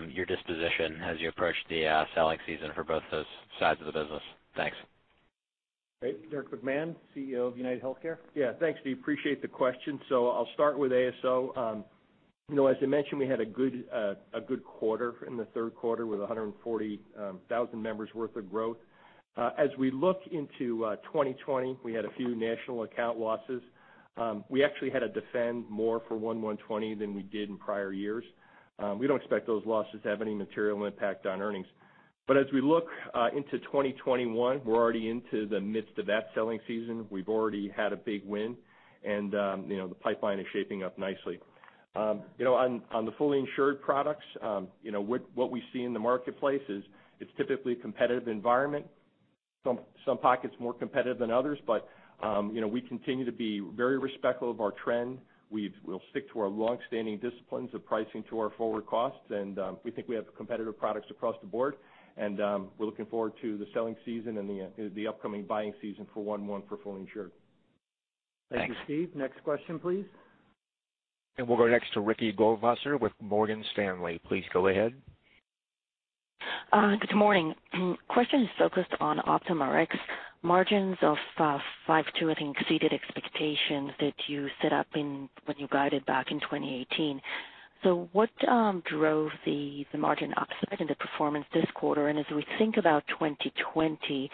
S17: your disposition as you approach the selling season for both those sides of the business. Thanks.
S2: Great. Dirk McMahon, CEO of UnitedHealthcare.
S4: Yeah. Thanks, Steve. Appreciate the question. I'll start with ASO. As I mentioned, we had a good quarter in the third quarter with 140,000 members worth of growth. As we look into 2020, we had a few national account losses. We actually had to defend more for 1/1/2020 than we did in prior years. We don't expect those losses to have any material impact on earnings. As we look into 2021, we're already into the midst of that selling season. We've already had a big win, and the pipeline is shaping up nicely. On the fully insured products, what we see in the marketplace is it's typically a competitive environment, some pockets more competitive than others. We continue to be very respectful of our trend. We'll stick to our longstanding disciplines of pricing to our forward costs, and we think we have competitive products across the board. We're looking forward to the selling season and the upcoming buying season for 1/1 for fully insured.
S17: Thanks.
S2: Thank you, Steve. Next question, please.
S1: We'll go next to Ricky Goldwasser with Morgan Stanley. Please go ahead.
S18: Good morning. Question is focused on Optum Rx margins of 5.2% I think exceeded expectations that you set up when you guided back in 2018. What drove the margin upside and the performance this quarter? As we think about 2020,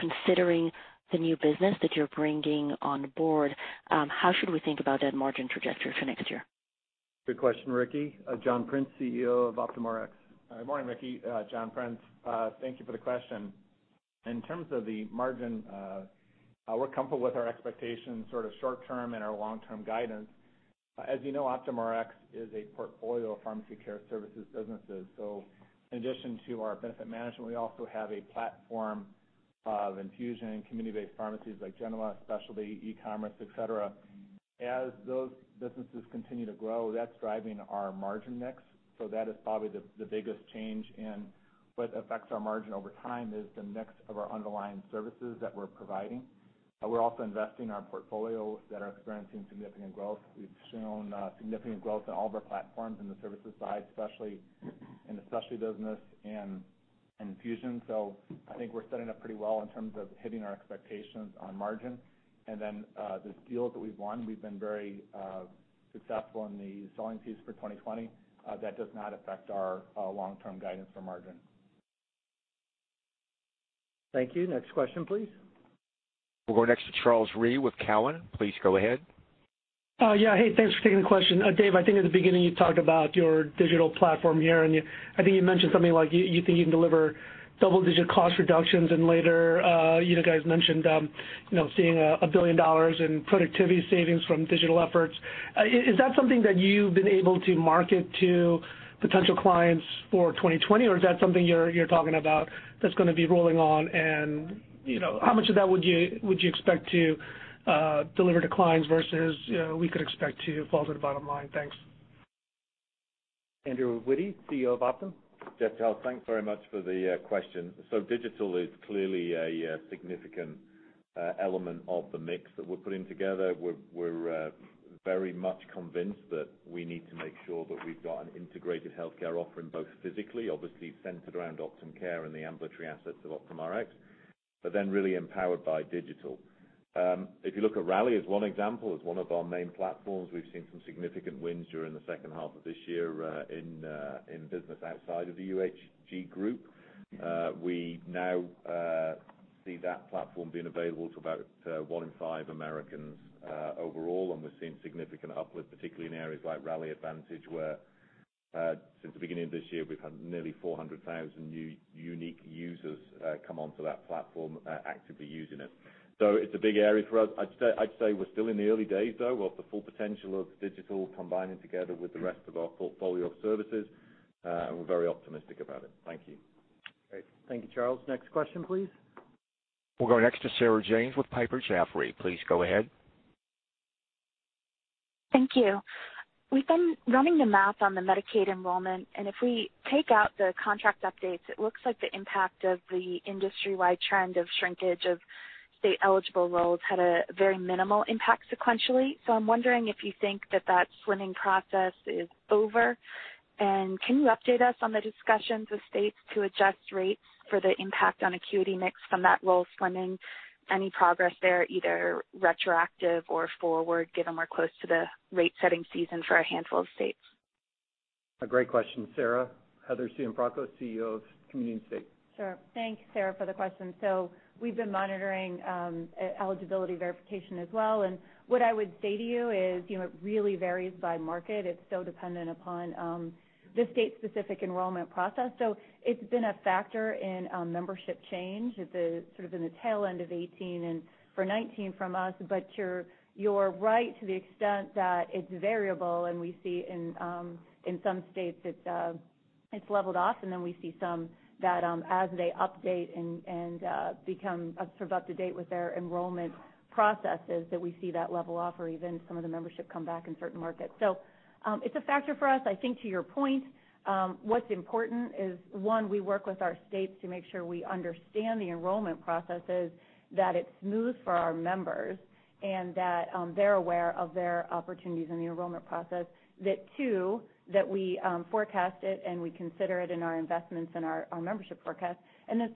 S18: considering the new business that you're bringing on board, how should we think about that margin trajectory for next year?
S2: Good question, Ricky. John Prince, CEO of OptumRx.
S19: Good morning, Ricky. John Prince. Thank you for the question. In terms of the margin, we're comfortable with our expectations sort of short-term and our long-term guidance. As you know, OptumRx is a portfolio of pharmacy care services businesses. In addition to our benefit management, we also have a platform of infusion and community-based pharmacies like Genoa, specialty, e-commerce, et cetera. As those businesses continue to grow, that's driving our margin mix. That is probably the biggest change, and what affects our margin over time is the mix of our underlying services that we're providing. We're also investing in our portfolios that are experiencing significant growth. We've shown significant growth in all of our platforms in the services side, especially in the specialty business and infusion. I think we're setting up pretty well in terms of hitting our expectations on margin. The deals that we've won, we've been very successful in the selling piece for 2020. That does not affect our long-term guidance for margin.
S2: Thank you. Next question, please.
S1: We'll go next to Charles Rhyee with Cowen. Please go ahead.
S20: Yeah. Hey, thanks for taking the question. Dave, I think at the beginning, you talked about your digital platform here. I think you mentioned something like you think you can deliver double-digit cost reductions. Later, you guys mentioned seeing $1 billion in productivity savings from digital efforts. Is that something that you've been able to market to potential clients for 2020? Is that something you're talking about that's going to be rolling on? How much of that would you expect to deliver to clients versus we could expect to fall to the bottom line? Thanks.
S2: Andrew Witty, CEO of Optum.
S3: Yes, Charles, thanks very much for the question. Digital is clearly a significant element of the mix that we're putting together. We're very much convinced that we need to make sure that we've got an integrated healthcare offering, both physically, obviously centered around Optum Care and the ambulatory assets of Optum Rx, but really empowered by digital. If you look at Rally as one example, as one of our main platforms, we've seen some significant wins during the second half of this year in business outside of the UHG group. We now see that platform being available to about one in five Americans overall, and we're seeing significant uplift, particularly in areas like Rally Advantage, where since the beginning of this year, we've had nearly 400,000 unique users come onto that platform actively using it. It's a big area for us. I'd say we're still in the early days, though, of the full potential of digital combining together with the rest of our portfolio of services. We're very optimistic about it. Thank you.
S2: Great. Thank you, Charles. Next question, please.
S1: We'll go next to Sarah James with Piper Jaffray. Please go ahead.
S21: Thank you. We've been running the math on the Medicaid enrollment, and if we take out the contract updates, it looks like the impact of the industry-wide trend of shrinkage of state-eligible rolls had a very minimal impact sequentially. I'm wondering if you think that trimming process is over, and can you update us on the discussions with states to adjust rates for the impact on acuity mix from that roll trimming? Any progress there, either retroactive or forward, given we're close to the rate-setting season for a handful of states?
S2: A great question, Sarah. Heather Cianfrocco, CEO of Community & State.
S22: Sure. Thanks, Sarah, for the question. We've been monitoring eligibility verification as well, and what I would say to you is it really varies by market. It's so dependent upon the state-specific enrollment process. It's been a factor in membership change, sort of in the tail end of 2018 and for 2019 from us. You're right to the extent that it's variable, and we see in some states it's leveled off, and then we see some that as they update and become sort of up to date with their enrollment processes, that we see that level off or even some of the membership come back in certain markets. It's a factor for us. I think to your point, what's important is, 1, we work with our states to make sure we understand the enrollment processes, that it's smooth for our members, and that they're aware of their opportunities in the enrollment process. 2, that we forecast it, and we consider it in our investments in our membership forecast,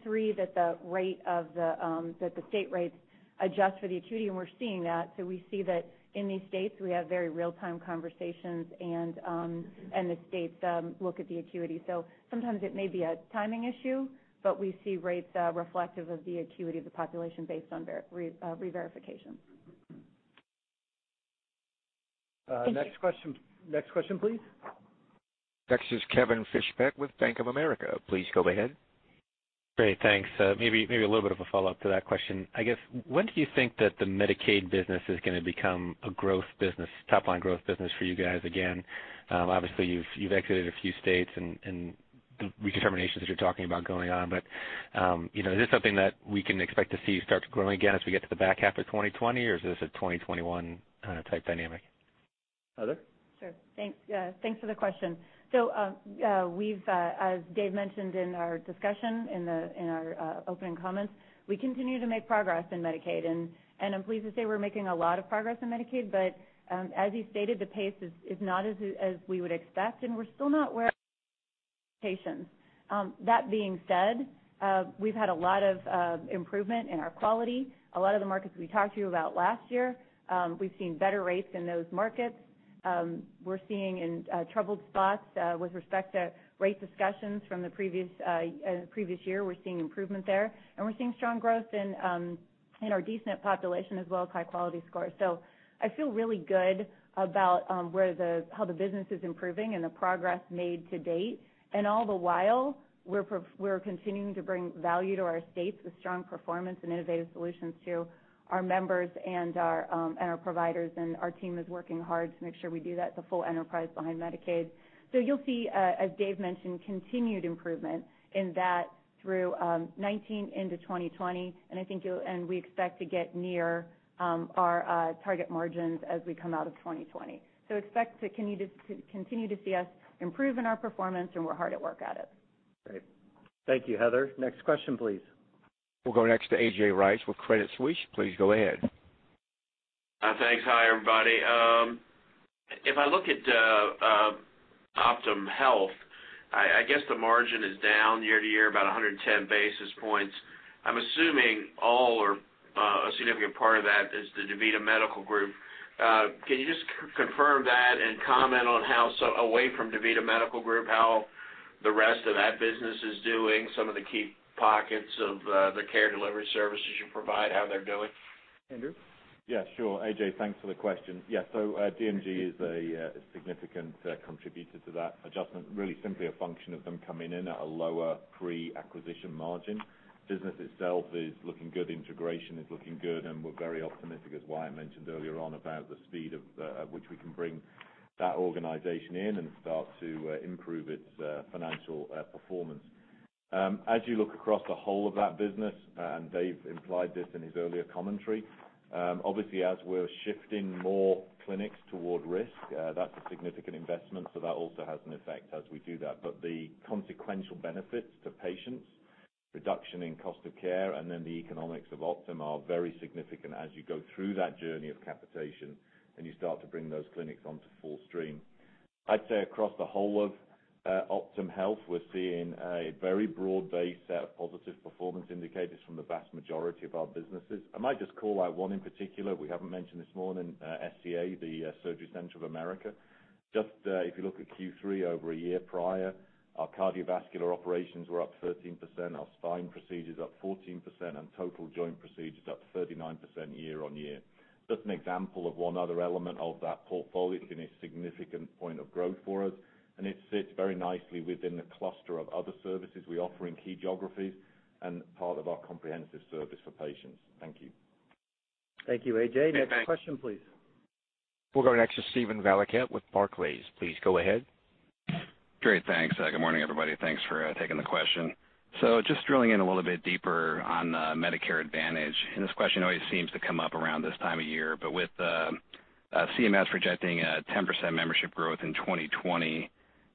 S22: 3, that the state rates adjust for the acuity, and we're seeing that. We see that in these states, we have very real-time conversations, and the states look at the acuity. Sometimes it may be a timing issue. We see rates reflective of the acuity of the population based on reverification.
S21: Thank you.
S2: Next question, please.
S1: Next is Kevin Fischbeck with Bank of America. Please go ahead.
S23: Great, thanks. I guess, maybe a little bit of a follow-up to that question. When do you think that the Medicaid business is going to become a top-line growth business for you guys again? Obviously, you've exited a few states, and the redeterminations that you're talking about going on, but is this something that we can expect to see start to growing again as we get to the back half of 2020, or is this a 2021 type dynamic?
S2: Heather?
S22: Sure. Thanks for the question. We've, as Dave mentioned in our discussion, in our opening comments, we continue to make progress in Medicaid, and I'm pleased to say we're making a lot of progress in Medicaid, but as you stated, the pace is not as we would expect. That being said, we've had a lot of improvement in our quality. A lot of the markets we talked to you about last year, we've seen better rates in those markets. We're seeing in troubled spots with respect to rate discussions from the previous year, we're seeing improvement there, and we're seeing strong growth in our D-SNP population as well as high quality scores. I feel really good about how the business is improving and the progress made to date. All the while, we're continuing to bring value to our states with strong performance and innovative solutions to our members and our providers, and our team is working hard to make sure we do that, the full enterprise behind Medicaid. You'll see, as Dave mentioned, continued improvement in that through 2019 into 2020, and we expect to get near our target margins as we come out of 2020. Expect to continue to see us improve in our performance, and we're hard at work at it.
S2: Great. Thank you, Heather. Next question, please.
S1: We'll go next to A.J. Rice with Credit Suisse. Please go ahead.
S24: Thanks. Hi, everybody. If I look at OptumHealth, I guess the margin is down year-over-year about 110 basis points. I'm assuming all or a significant part of that is the DaVita Medical Group. Can you just confirm that and comment on how, away from DaVita Medical Group, how the rest of that business is doing, some of the key pockets of the care delivery services you provide, how they're doing?
S2: Andrew?
S3: Yeah, sure. A.J., thanks for the question. DMG is a significant contributor to that adjustment, really simply a function of them coming in at a lower pre-acquisition margin. Business itself is looking good, integration is looking good, and we're very optimistic, as Wyatt mentioned earlier on, about the speed of which we can bring that organization in and start to improve its financial performance. As you look across the whole of that business, and Dave implied this in his earlier commentary, obviously as we're shifting more clinics toward risk, that's a significant investment. That also has an effect as we do that. The consequential benefits to patients, reduction in cost of care, and then the economics of Optum are very significant as you go through that journey of capitation and you start to bring those clinics onto full stream. I'd say across the whole of OptumHealth, we're seeing a very broad-based set of positive performance indicators from the vast majority of our businesses. I might just call out one in particular we haven't mentioned this morning, SCA, the Surgery Center of America. If you look at Q3 over a year prior, our cardiovascular operations were up 13%, our spine procedures up 14%, and total joint procedures up 39% year-on-year. An example of one other element of that portfolio been a significant point of growth for us, and it sits very nicely within the cluster of other services we offer in key geographies and part of our comprehensive service for patients. Thank you.
S2: Thank you, A.J.
S24: Yeah, thanks.
S2: Next question, please.
S1: We'll go next to Steven Valiquette with Barclays. Please go ahead.
S25: Great. Thanks. Good morning, everybody. Thanks for taking the question. Just drilling in a little bit deeper on the Medicare Advantage, this question always seems to come up around this time of year. With CMS projecting a 10% membership growth in 2020,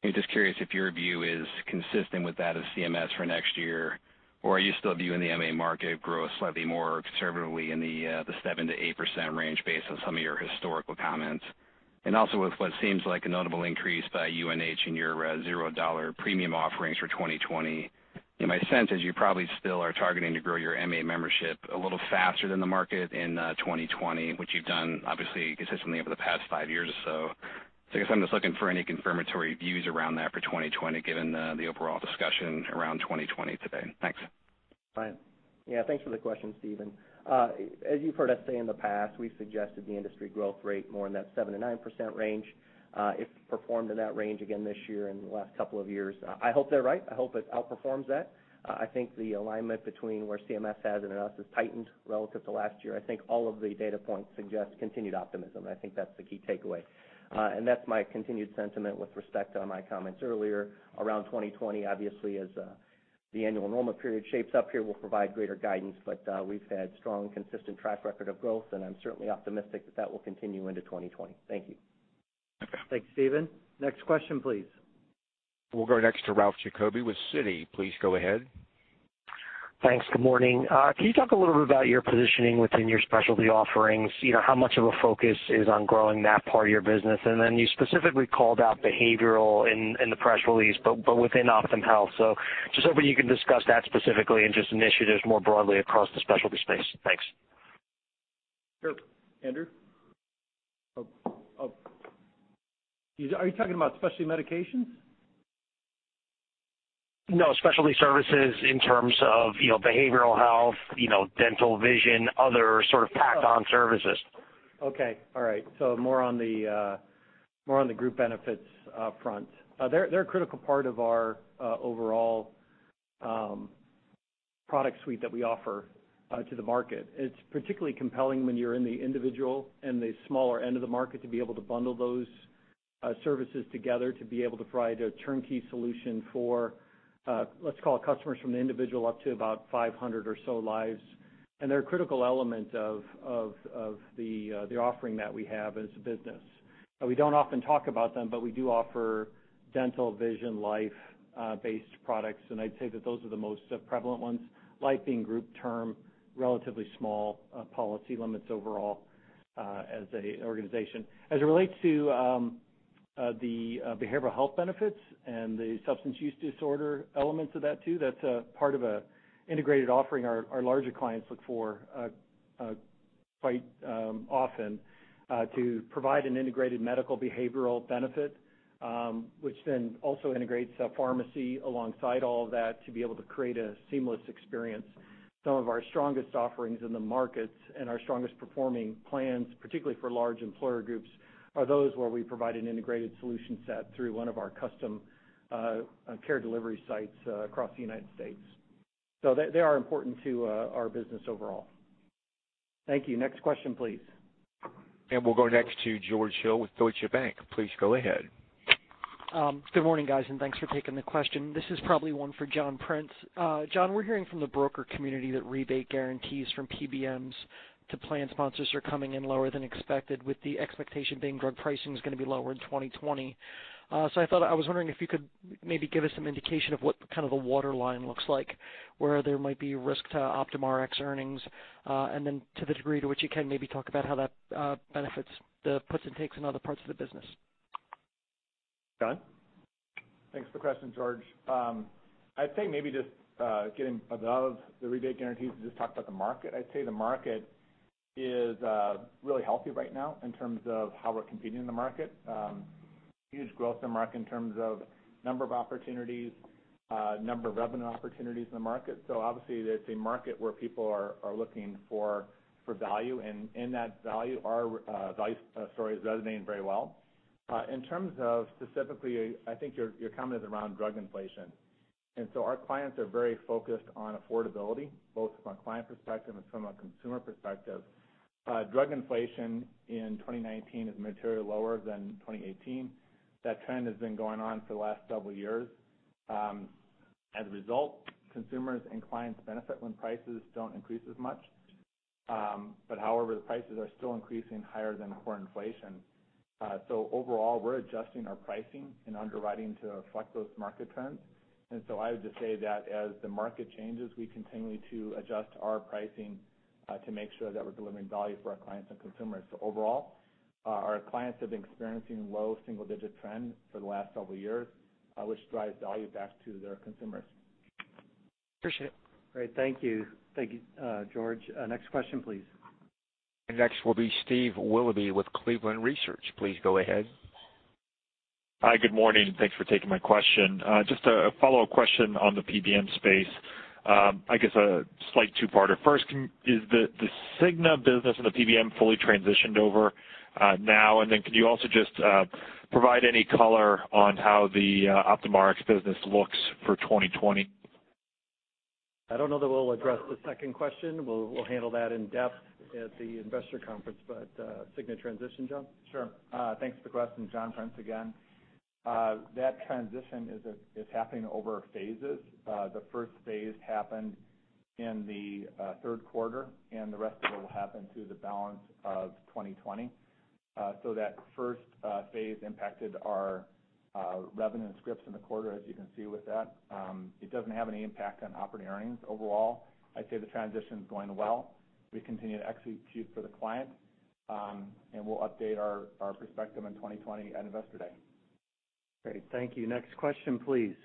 S25: I'm just curious if your view is consistent with that of CMS for next year, or are you still viewing the MA market growth slightly more conservatively in the 7%-8% range based on some of your historical comments? Also with what seems like a notable increase by UNH in your zero-dollar premium offerings for 2020. My sense is you probably still are targeting to grow your MA membership a little faster than the market in 2020, which you've done obviously consistently over the past five years or so. I guess I'm just looking for any confirmatory views around that for 2020, given the overall discussion around 2020 today. Thanks.
S4: Fine. Yeah, thanks for the question, Steven. As you've heard us say in the past, we suggested the industry growth rate more in that 7%-9% range. It's performed in that range again this year and the last couple of years. I hope they're right. I hope it outperforms that. I think the alignment between where CMS has and us has tightened relative to last year. I think all of the data points suggest continued optimism, and I think that's the key takeaway. That's my continued sentiment with respect to my comments earlier. Around 2020, obviously, as the annual enrollment period shapes up here, we'll provide greater guidance, but we've had strong, consistent track record of growth, and I'm certainly optimistic that that will continue into 2020. Thank you.
S2: Thanks, Steven. Next question, please.
S1: We'll go next to Ralph Giacobbe with Citi. Please go ahead.
S26: Thanks. Good morning. Can you talk a little bit about your positioning within your specialty offerings? How much of a focus is on growing that part of your business? You specifically called out behavioral in the press release, but within Optum Health. Just hoping you can discuss that specifically and just initiatives more broadly across the specialty space. Thanks.
S2: Sure. Andrew? Are you talking about specialty medications?
S26: No, specialty services in terms of behavioral health, dental, vision, other sort of packed-on services.
S2: Okay. All right. More on the group benefits up front. They're a critical part of our overall product suite that we offer to the market. It's particularly compelling when you're in the individual and the smaller end of the market to be able to bundle those services together to be able to provide a turnkey solution for, let's call it customers from the individual up to about 500 or so lives. They're a critical element of the offering that we have as a business. We don't often talk about them, but we do offer dental, vision, life-based products, and I'd say that those are the most prevalent ones, life being group term, relatively small policy limits overall as an organization. The behavioral health benefits and the substance use disorder elements of that too, that's a part of an integrated offering our larger clients look for quite often to provide an integrated medical behavioral benefit, which then also integrates a pharmacy alongside all of that to be able to create a seamless experience. Some of our strongest offerings in the markets and our strongest performing plans, particularly for large employer groups, are those where we provide an integrated solution set through one of our custom care delivery sites across the U.S. They are important to our business overall. Thank you. Next question, please.
S1: We'll go next to George Hill with Deutsche Bank. Please go ahead.
S27: Good morning, guys. Thanks for taking the question. This is probably one for John Prince. John, we're hearing from the broker community that rebate guarantees from PBMs to plan sponsors are coming in lower than expected, with the expectation being drug pricing is going to be lower in 2020. I was wondering if you could maybe give us some indication of what the waterline looks like, where there might be risk to Optum Rx earnings. To the degree to which you can, maybe talk about how that benefits the puts and takes in other parts of the business.
S2: Jon?
S19: Thanks for the question, George. I'd say maybe just getting above the rebate guarantees and just talk about the market. I'd say the market is really healthy right now in terms of how we're competing in the market. Huge growth in the market in terms of number of opportunities, number of revenue opportunities in the market. Obviously it's a market where people are looking for value, and in that value, our value story is resonating very well. In terms of specifically, I think your comment is around drug inflation. Our clients are very focused on affordability, both from a client perspective and from a consumer perspective. Drug inflation in 2019 is materially lower than 2018. That trend has been going on for the last several years. As a result, consumers and clients benefit when prices don't increase as much. However, the prices are still increasing higher than core inflation. Overall, we're adjusting our pricing and underwriting to reflect those market trends. I would just say that as the market changes, we continue to adjust our pricing to make sure that we're delivering value for our clients and consumers. Overall, our clients have been experiencing low single-digit trend for the last several years, which drives value back to their consumers.
S27: Appreciate it.
S2: Great. Thank you. Thank you, George. Next question, please.
S1: Next will be Steve Willoughby with Cleveland Research. Please go ahead.
S28: Hi, good morning, and thanks for taking my question. Just a follow-up question on the PBM space. I guess a slight two-parter. First, is the Cigna business and the PBM fully transitioned over now? Could you also just provide any color on how the Optum Rx business looks for 2020?
S2: I don't know that we'll address the second question. We'll handle that in depth at the investor conference. Cigna transition, Jon?
S19: Sure. Thanks for the question. John Prince again. That transition is happening over phases. The first phase happened in the third quarter, and the rest of it will happen through the balance of 2020. That first phase impacted our revenue and scripts in the quarter, as you can see with that. It doesn't have any impact on operating earnings overall. I'd say the transition's going well. We continue to execute for the client, and we'll update our perspective in 2020 at Investor Day.
S2: Great. Thank you. Next question, please.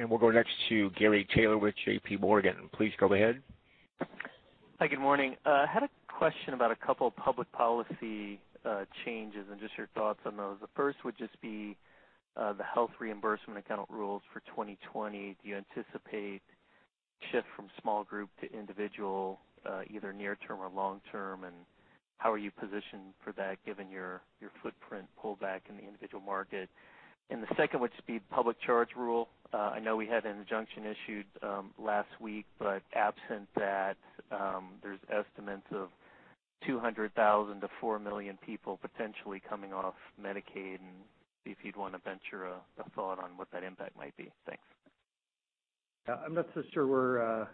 S1: We'll go next to Gary Taylor with J.P. Morgan. Please go ahead.
S29: Hi, good morning. I had a question about a couple public policy changes and just your thoughts on those. The first would just be the Health Reimbursement Arrangement rules for 2020. Do you anticipate shift from small group to individual, either near term or long term? How are you positioned for that, given your footprint pullback in the individual market? The second would just be Public Charge Rule. I know we had an injunction issued last week, absent that, there's estimates of 200,000 to 4 million people potentially coming off Medicaid, see if you'd want to venture a thought on what that impact might be. Thanks.
S2: I'm not so sure we're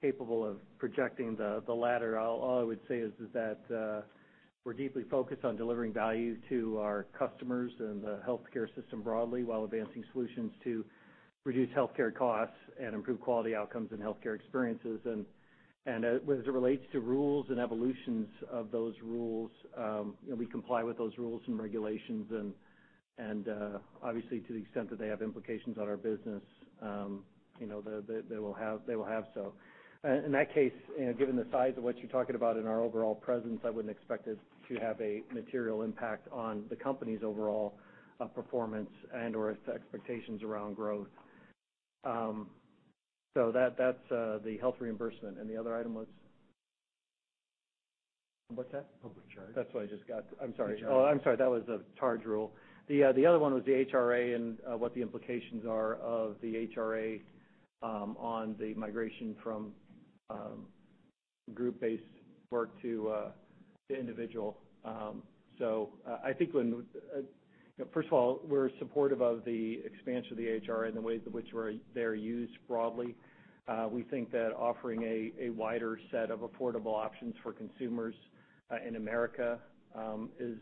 S2: capable of projecting the latter. All I would say is that we're deeply focused on delivering value to our customers and the healthcare system broadly while advancing solutions to reduce healthcare costs and improve quality outcomes and healthcare experiences. As it relates to rules and evolutions of those rules, we comply with those rules and regulations, and obviously to the extent that they have implications on our business, they will have so. In that case, given the size of what you're talking about and our overall presence, I wouldn't expect it to have a material impact on the company's overall performance and/or expectations around growth. That's the Health Reimbursement. The other item was? What's that?
S29: Public Charge.
S2: That's what I just got. I'm sorry. I'm sorry. That was the Charge Rule. The other one was the HRA and what the implications are of the HRA on the migration from group-based work to individual. First of all, we're supportive of the expansion of the HRA and the ways in which they're used broadly. We think that offering a wider set of affordable options for consumers in America is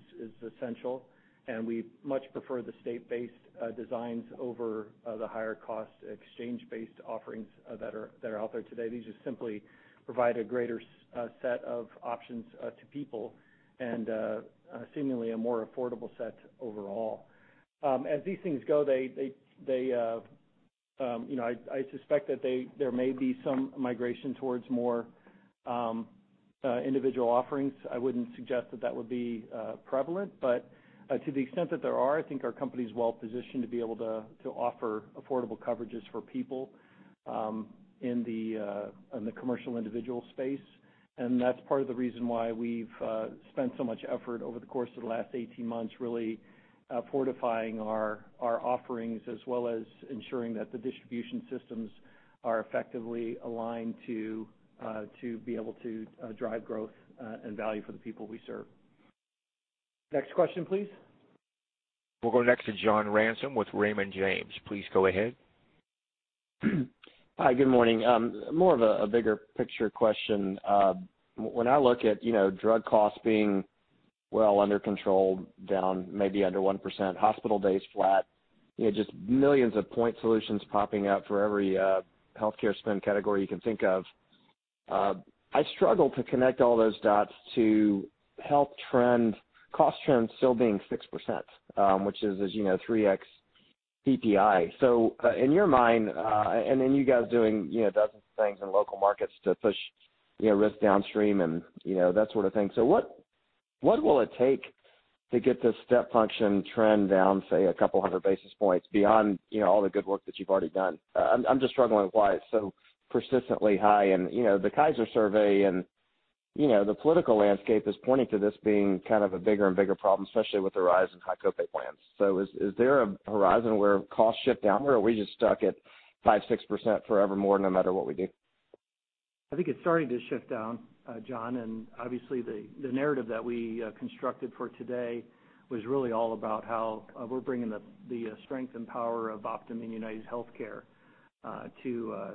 S2: essential, and we much prefer the state-based designs over the higher cost exchange-based offerings that are out there today. These just simply provide a greater set of options to people and seemingly a more affordable set overall. As these things go, I suspect that there may be some migration towards more individual offerings. I wouldn't suggest that that would be prevalent. To the extent that there are, I think our company's well-positioned to be able to offer affordable coverages for people in the commercial individual space. That's part of the reason why we've spent so much effort over the course of the last 18 months, really fortifying our offerings, as well as ensuring that the distribution systems are effectively aligned to be able to drive growth and value for the people we serve. Next question, please.
S1: We'll go next to John Ransom with Raymond James. Please go ahead.
S30: Hi, good morning. More of a bigger picture question. When I look at drug costs being well under control, down maybe under 1%, hospital days flat, just millions of point solutions popping up for every healthcare spend category you can think of. I struggle to connect all those dots to health trends, cost trends still being 6%, which is, as you know, 3X PPI. In your mind, and then you guys doing dozens of things in local markets to push risk downstream and that sort of thing. What will it take to get this step function trend down, say, a couple hundred basis points beyond all the good work that you've already done? I'm just struggling with why it's so persistently high. The Kaiser survey and the political landscape is pointing to this being kind of a bigger and bigger problem, especially with the rise in high copay plans. Is there a horizon where costs shift down or are we just stuck at 5%, 6% forevermore no matter what we do?
S2: I think it's starting to shift down, John. Obviously the narrative that we constructed for today was really all about how we're bringing the strength and power of Optum in UnitedHealthcare to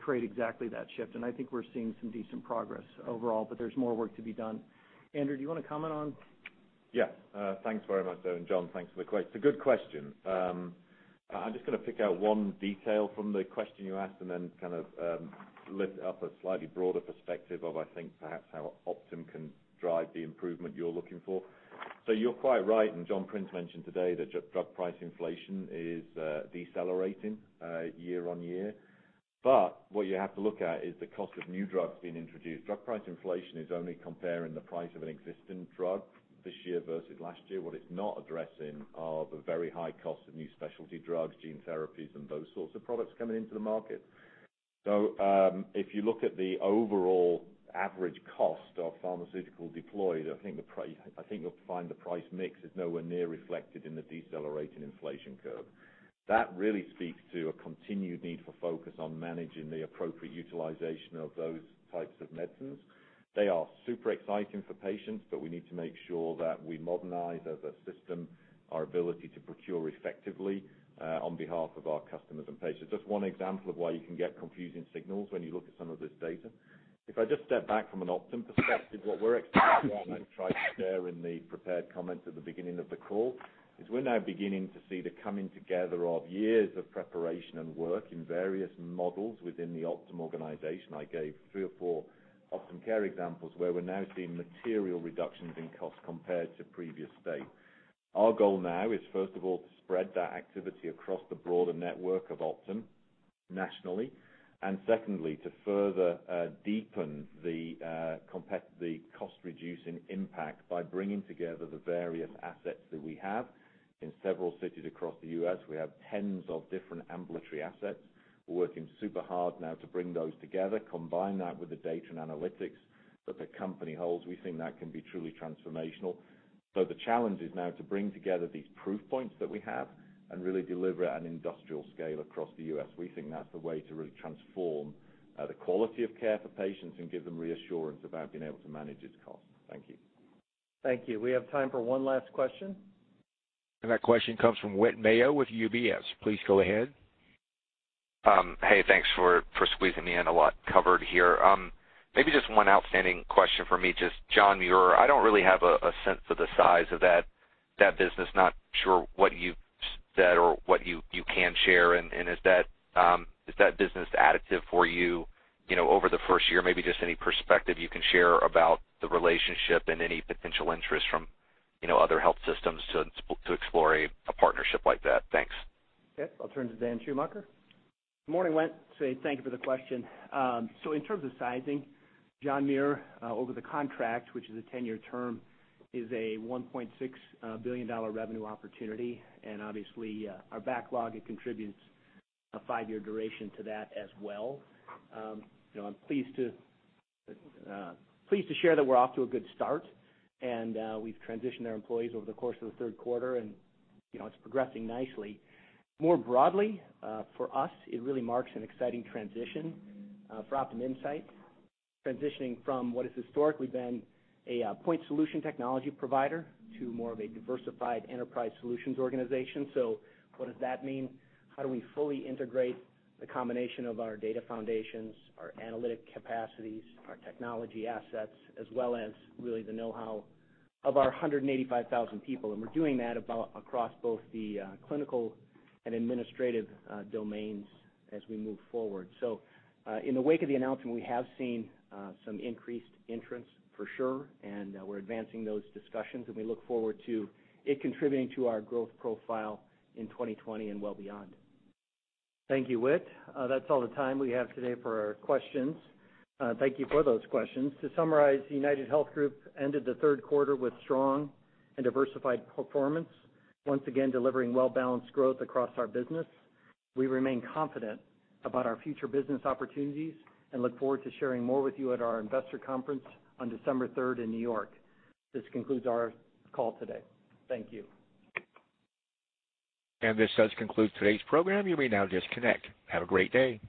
S2: create exactly that shift. I think we're seeing some decent progress overall, but there's more work to be done. Andrew, do you want to comment on?
S3: Yes. Thanks very much. And John, thanks for the question. It's a good question. I'm just going to pick out one detail from the question you asked and then kind of lift up a slightly broader perspective of, I think, perhaps how Optum can drive the improvement you're looking for. You're quite right, and John Prince mentioned today that drug price inflation is decelerating year-over-year. What you have to look at is the cost of new drugs being introduced. Drug price inflation is only comparing the price of an existing drug this year versus last year. What it's not addressing are the very high cost of new specialty drugs, gene therapies, and those sorts of products coming into the market. If you look at the overall average cost of pharmaceutical deployed, I think you'll find the price mix is nowhere near reflected in the decelerating inflation curve. That really speaks to a continued need for focus on managing the appropriate utilization of those types of medicines. They are super exciting for patients, but we need to make sure that we modernize as a system our ability to procure effectively on behalf of our customers and patients. Just one example of why you can get confusing signals when you look at some of this data. If I just step back from an Optum perspective, what we're excited about and I tried to share in the prepared comments at the beginning of the call, is we're now beginning to see the coming together of years of preparation and work in various models within the Optum organization. I gave three or four Optum Care examples where we're now seeing material reductions in cost compared to previous state. Our goal now is, first of all, to spread that activity across the broader network of Optum nationally. Secondly, to further deepen the cost-reducing impact by bringing together the various assets that we have in several cities across the U.S. We have tens of different ambulatory assets. We're working super hard now to bring those together, combine that with the data and analytics that the company holds. We think that can be truly transformational. The challenge is now to bring together these proof points that we have and really deliver at an industrial scale across the U.S. We think that's the way to really transform the quality of care for patients and give them reassurance about being able to manage its cost. Thank you.
S2: Thank you. We have time for one last question.
S1: That question comes from Whit Mayo with UBS. Please go ahead.
S31: Hey, thanks for squeezing me in. A lot covered here. Maybe just one outstanding question from me. Just John Muir, I don't really have a sense of the size of that business. Not sure what you've said or what you can share. Is that business additive for you over the first year? Maybe just any perspective you can share about the relationship and any potential interest from other health systems to explore a partnership like that. Thanks.
S2: Okay. I'll turn to Dan Schumacher.
S32: Good morning, Whit. Thank you for the question. In terms of sizing John Muir over the contract, which is a 10-year term, is a $1.6 billion revenue opportunity, and obviously our backlog, it contributes a five-year duration to that as well. I'm pleased to share that we're off to a good start, and we've transitioned our employees over the course of the third quarter, and it's progressing nicely. More broadly, for us, it really marks an exciting transition for Optum Insight, transitioning from what has historically been a point solution technology provider to more of a diversified enterprise solutions organization. What does that mean? How do we fully integrate the combination of our data foundations, our analytic capacities, our technology assets, as well as really the knowhow of our 185,000 people? We're doing that across both the clinical and administrative domains as we move forward.
S3: In the wake of the announcement, we have seen some increased interest for sure, and we're advancing those discussions, and we look forward to it contributing to our growth profile in 2020 and well beyond.
S2: Thank you, Whit. That's all the time we have today for our questions. Thank you for those questions. To summarize, UnitedHealth Group ended the third quarter with strong and diversified performance, once again delivering well-balanced growth across our business. We remain confident about our future business opportunities and look forward to sharing more with you at our investor conference on December third in New York. This concludes our call today. Thank you.
S1: This does conclude today's program. You may now disconnect. Have a great day.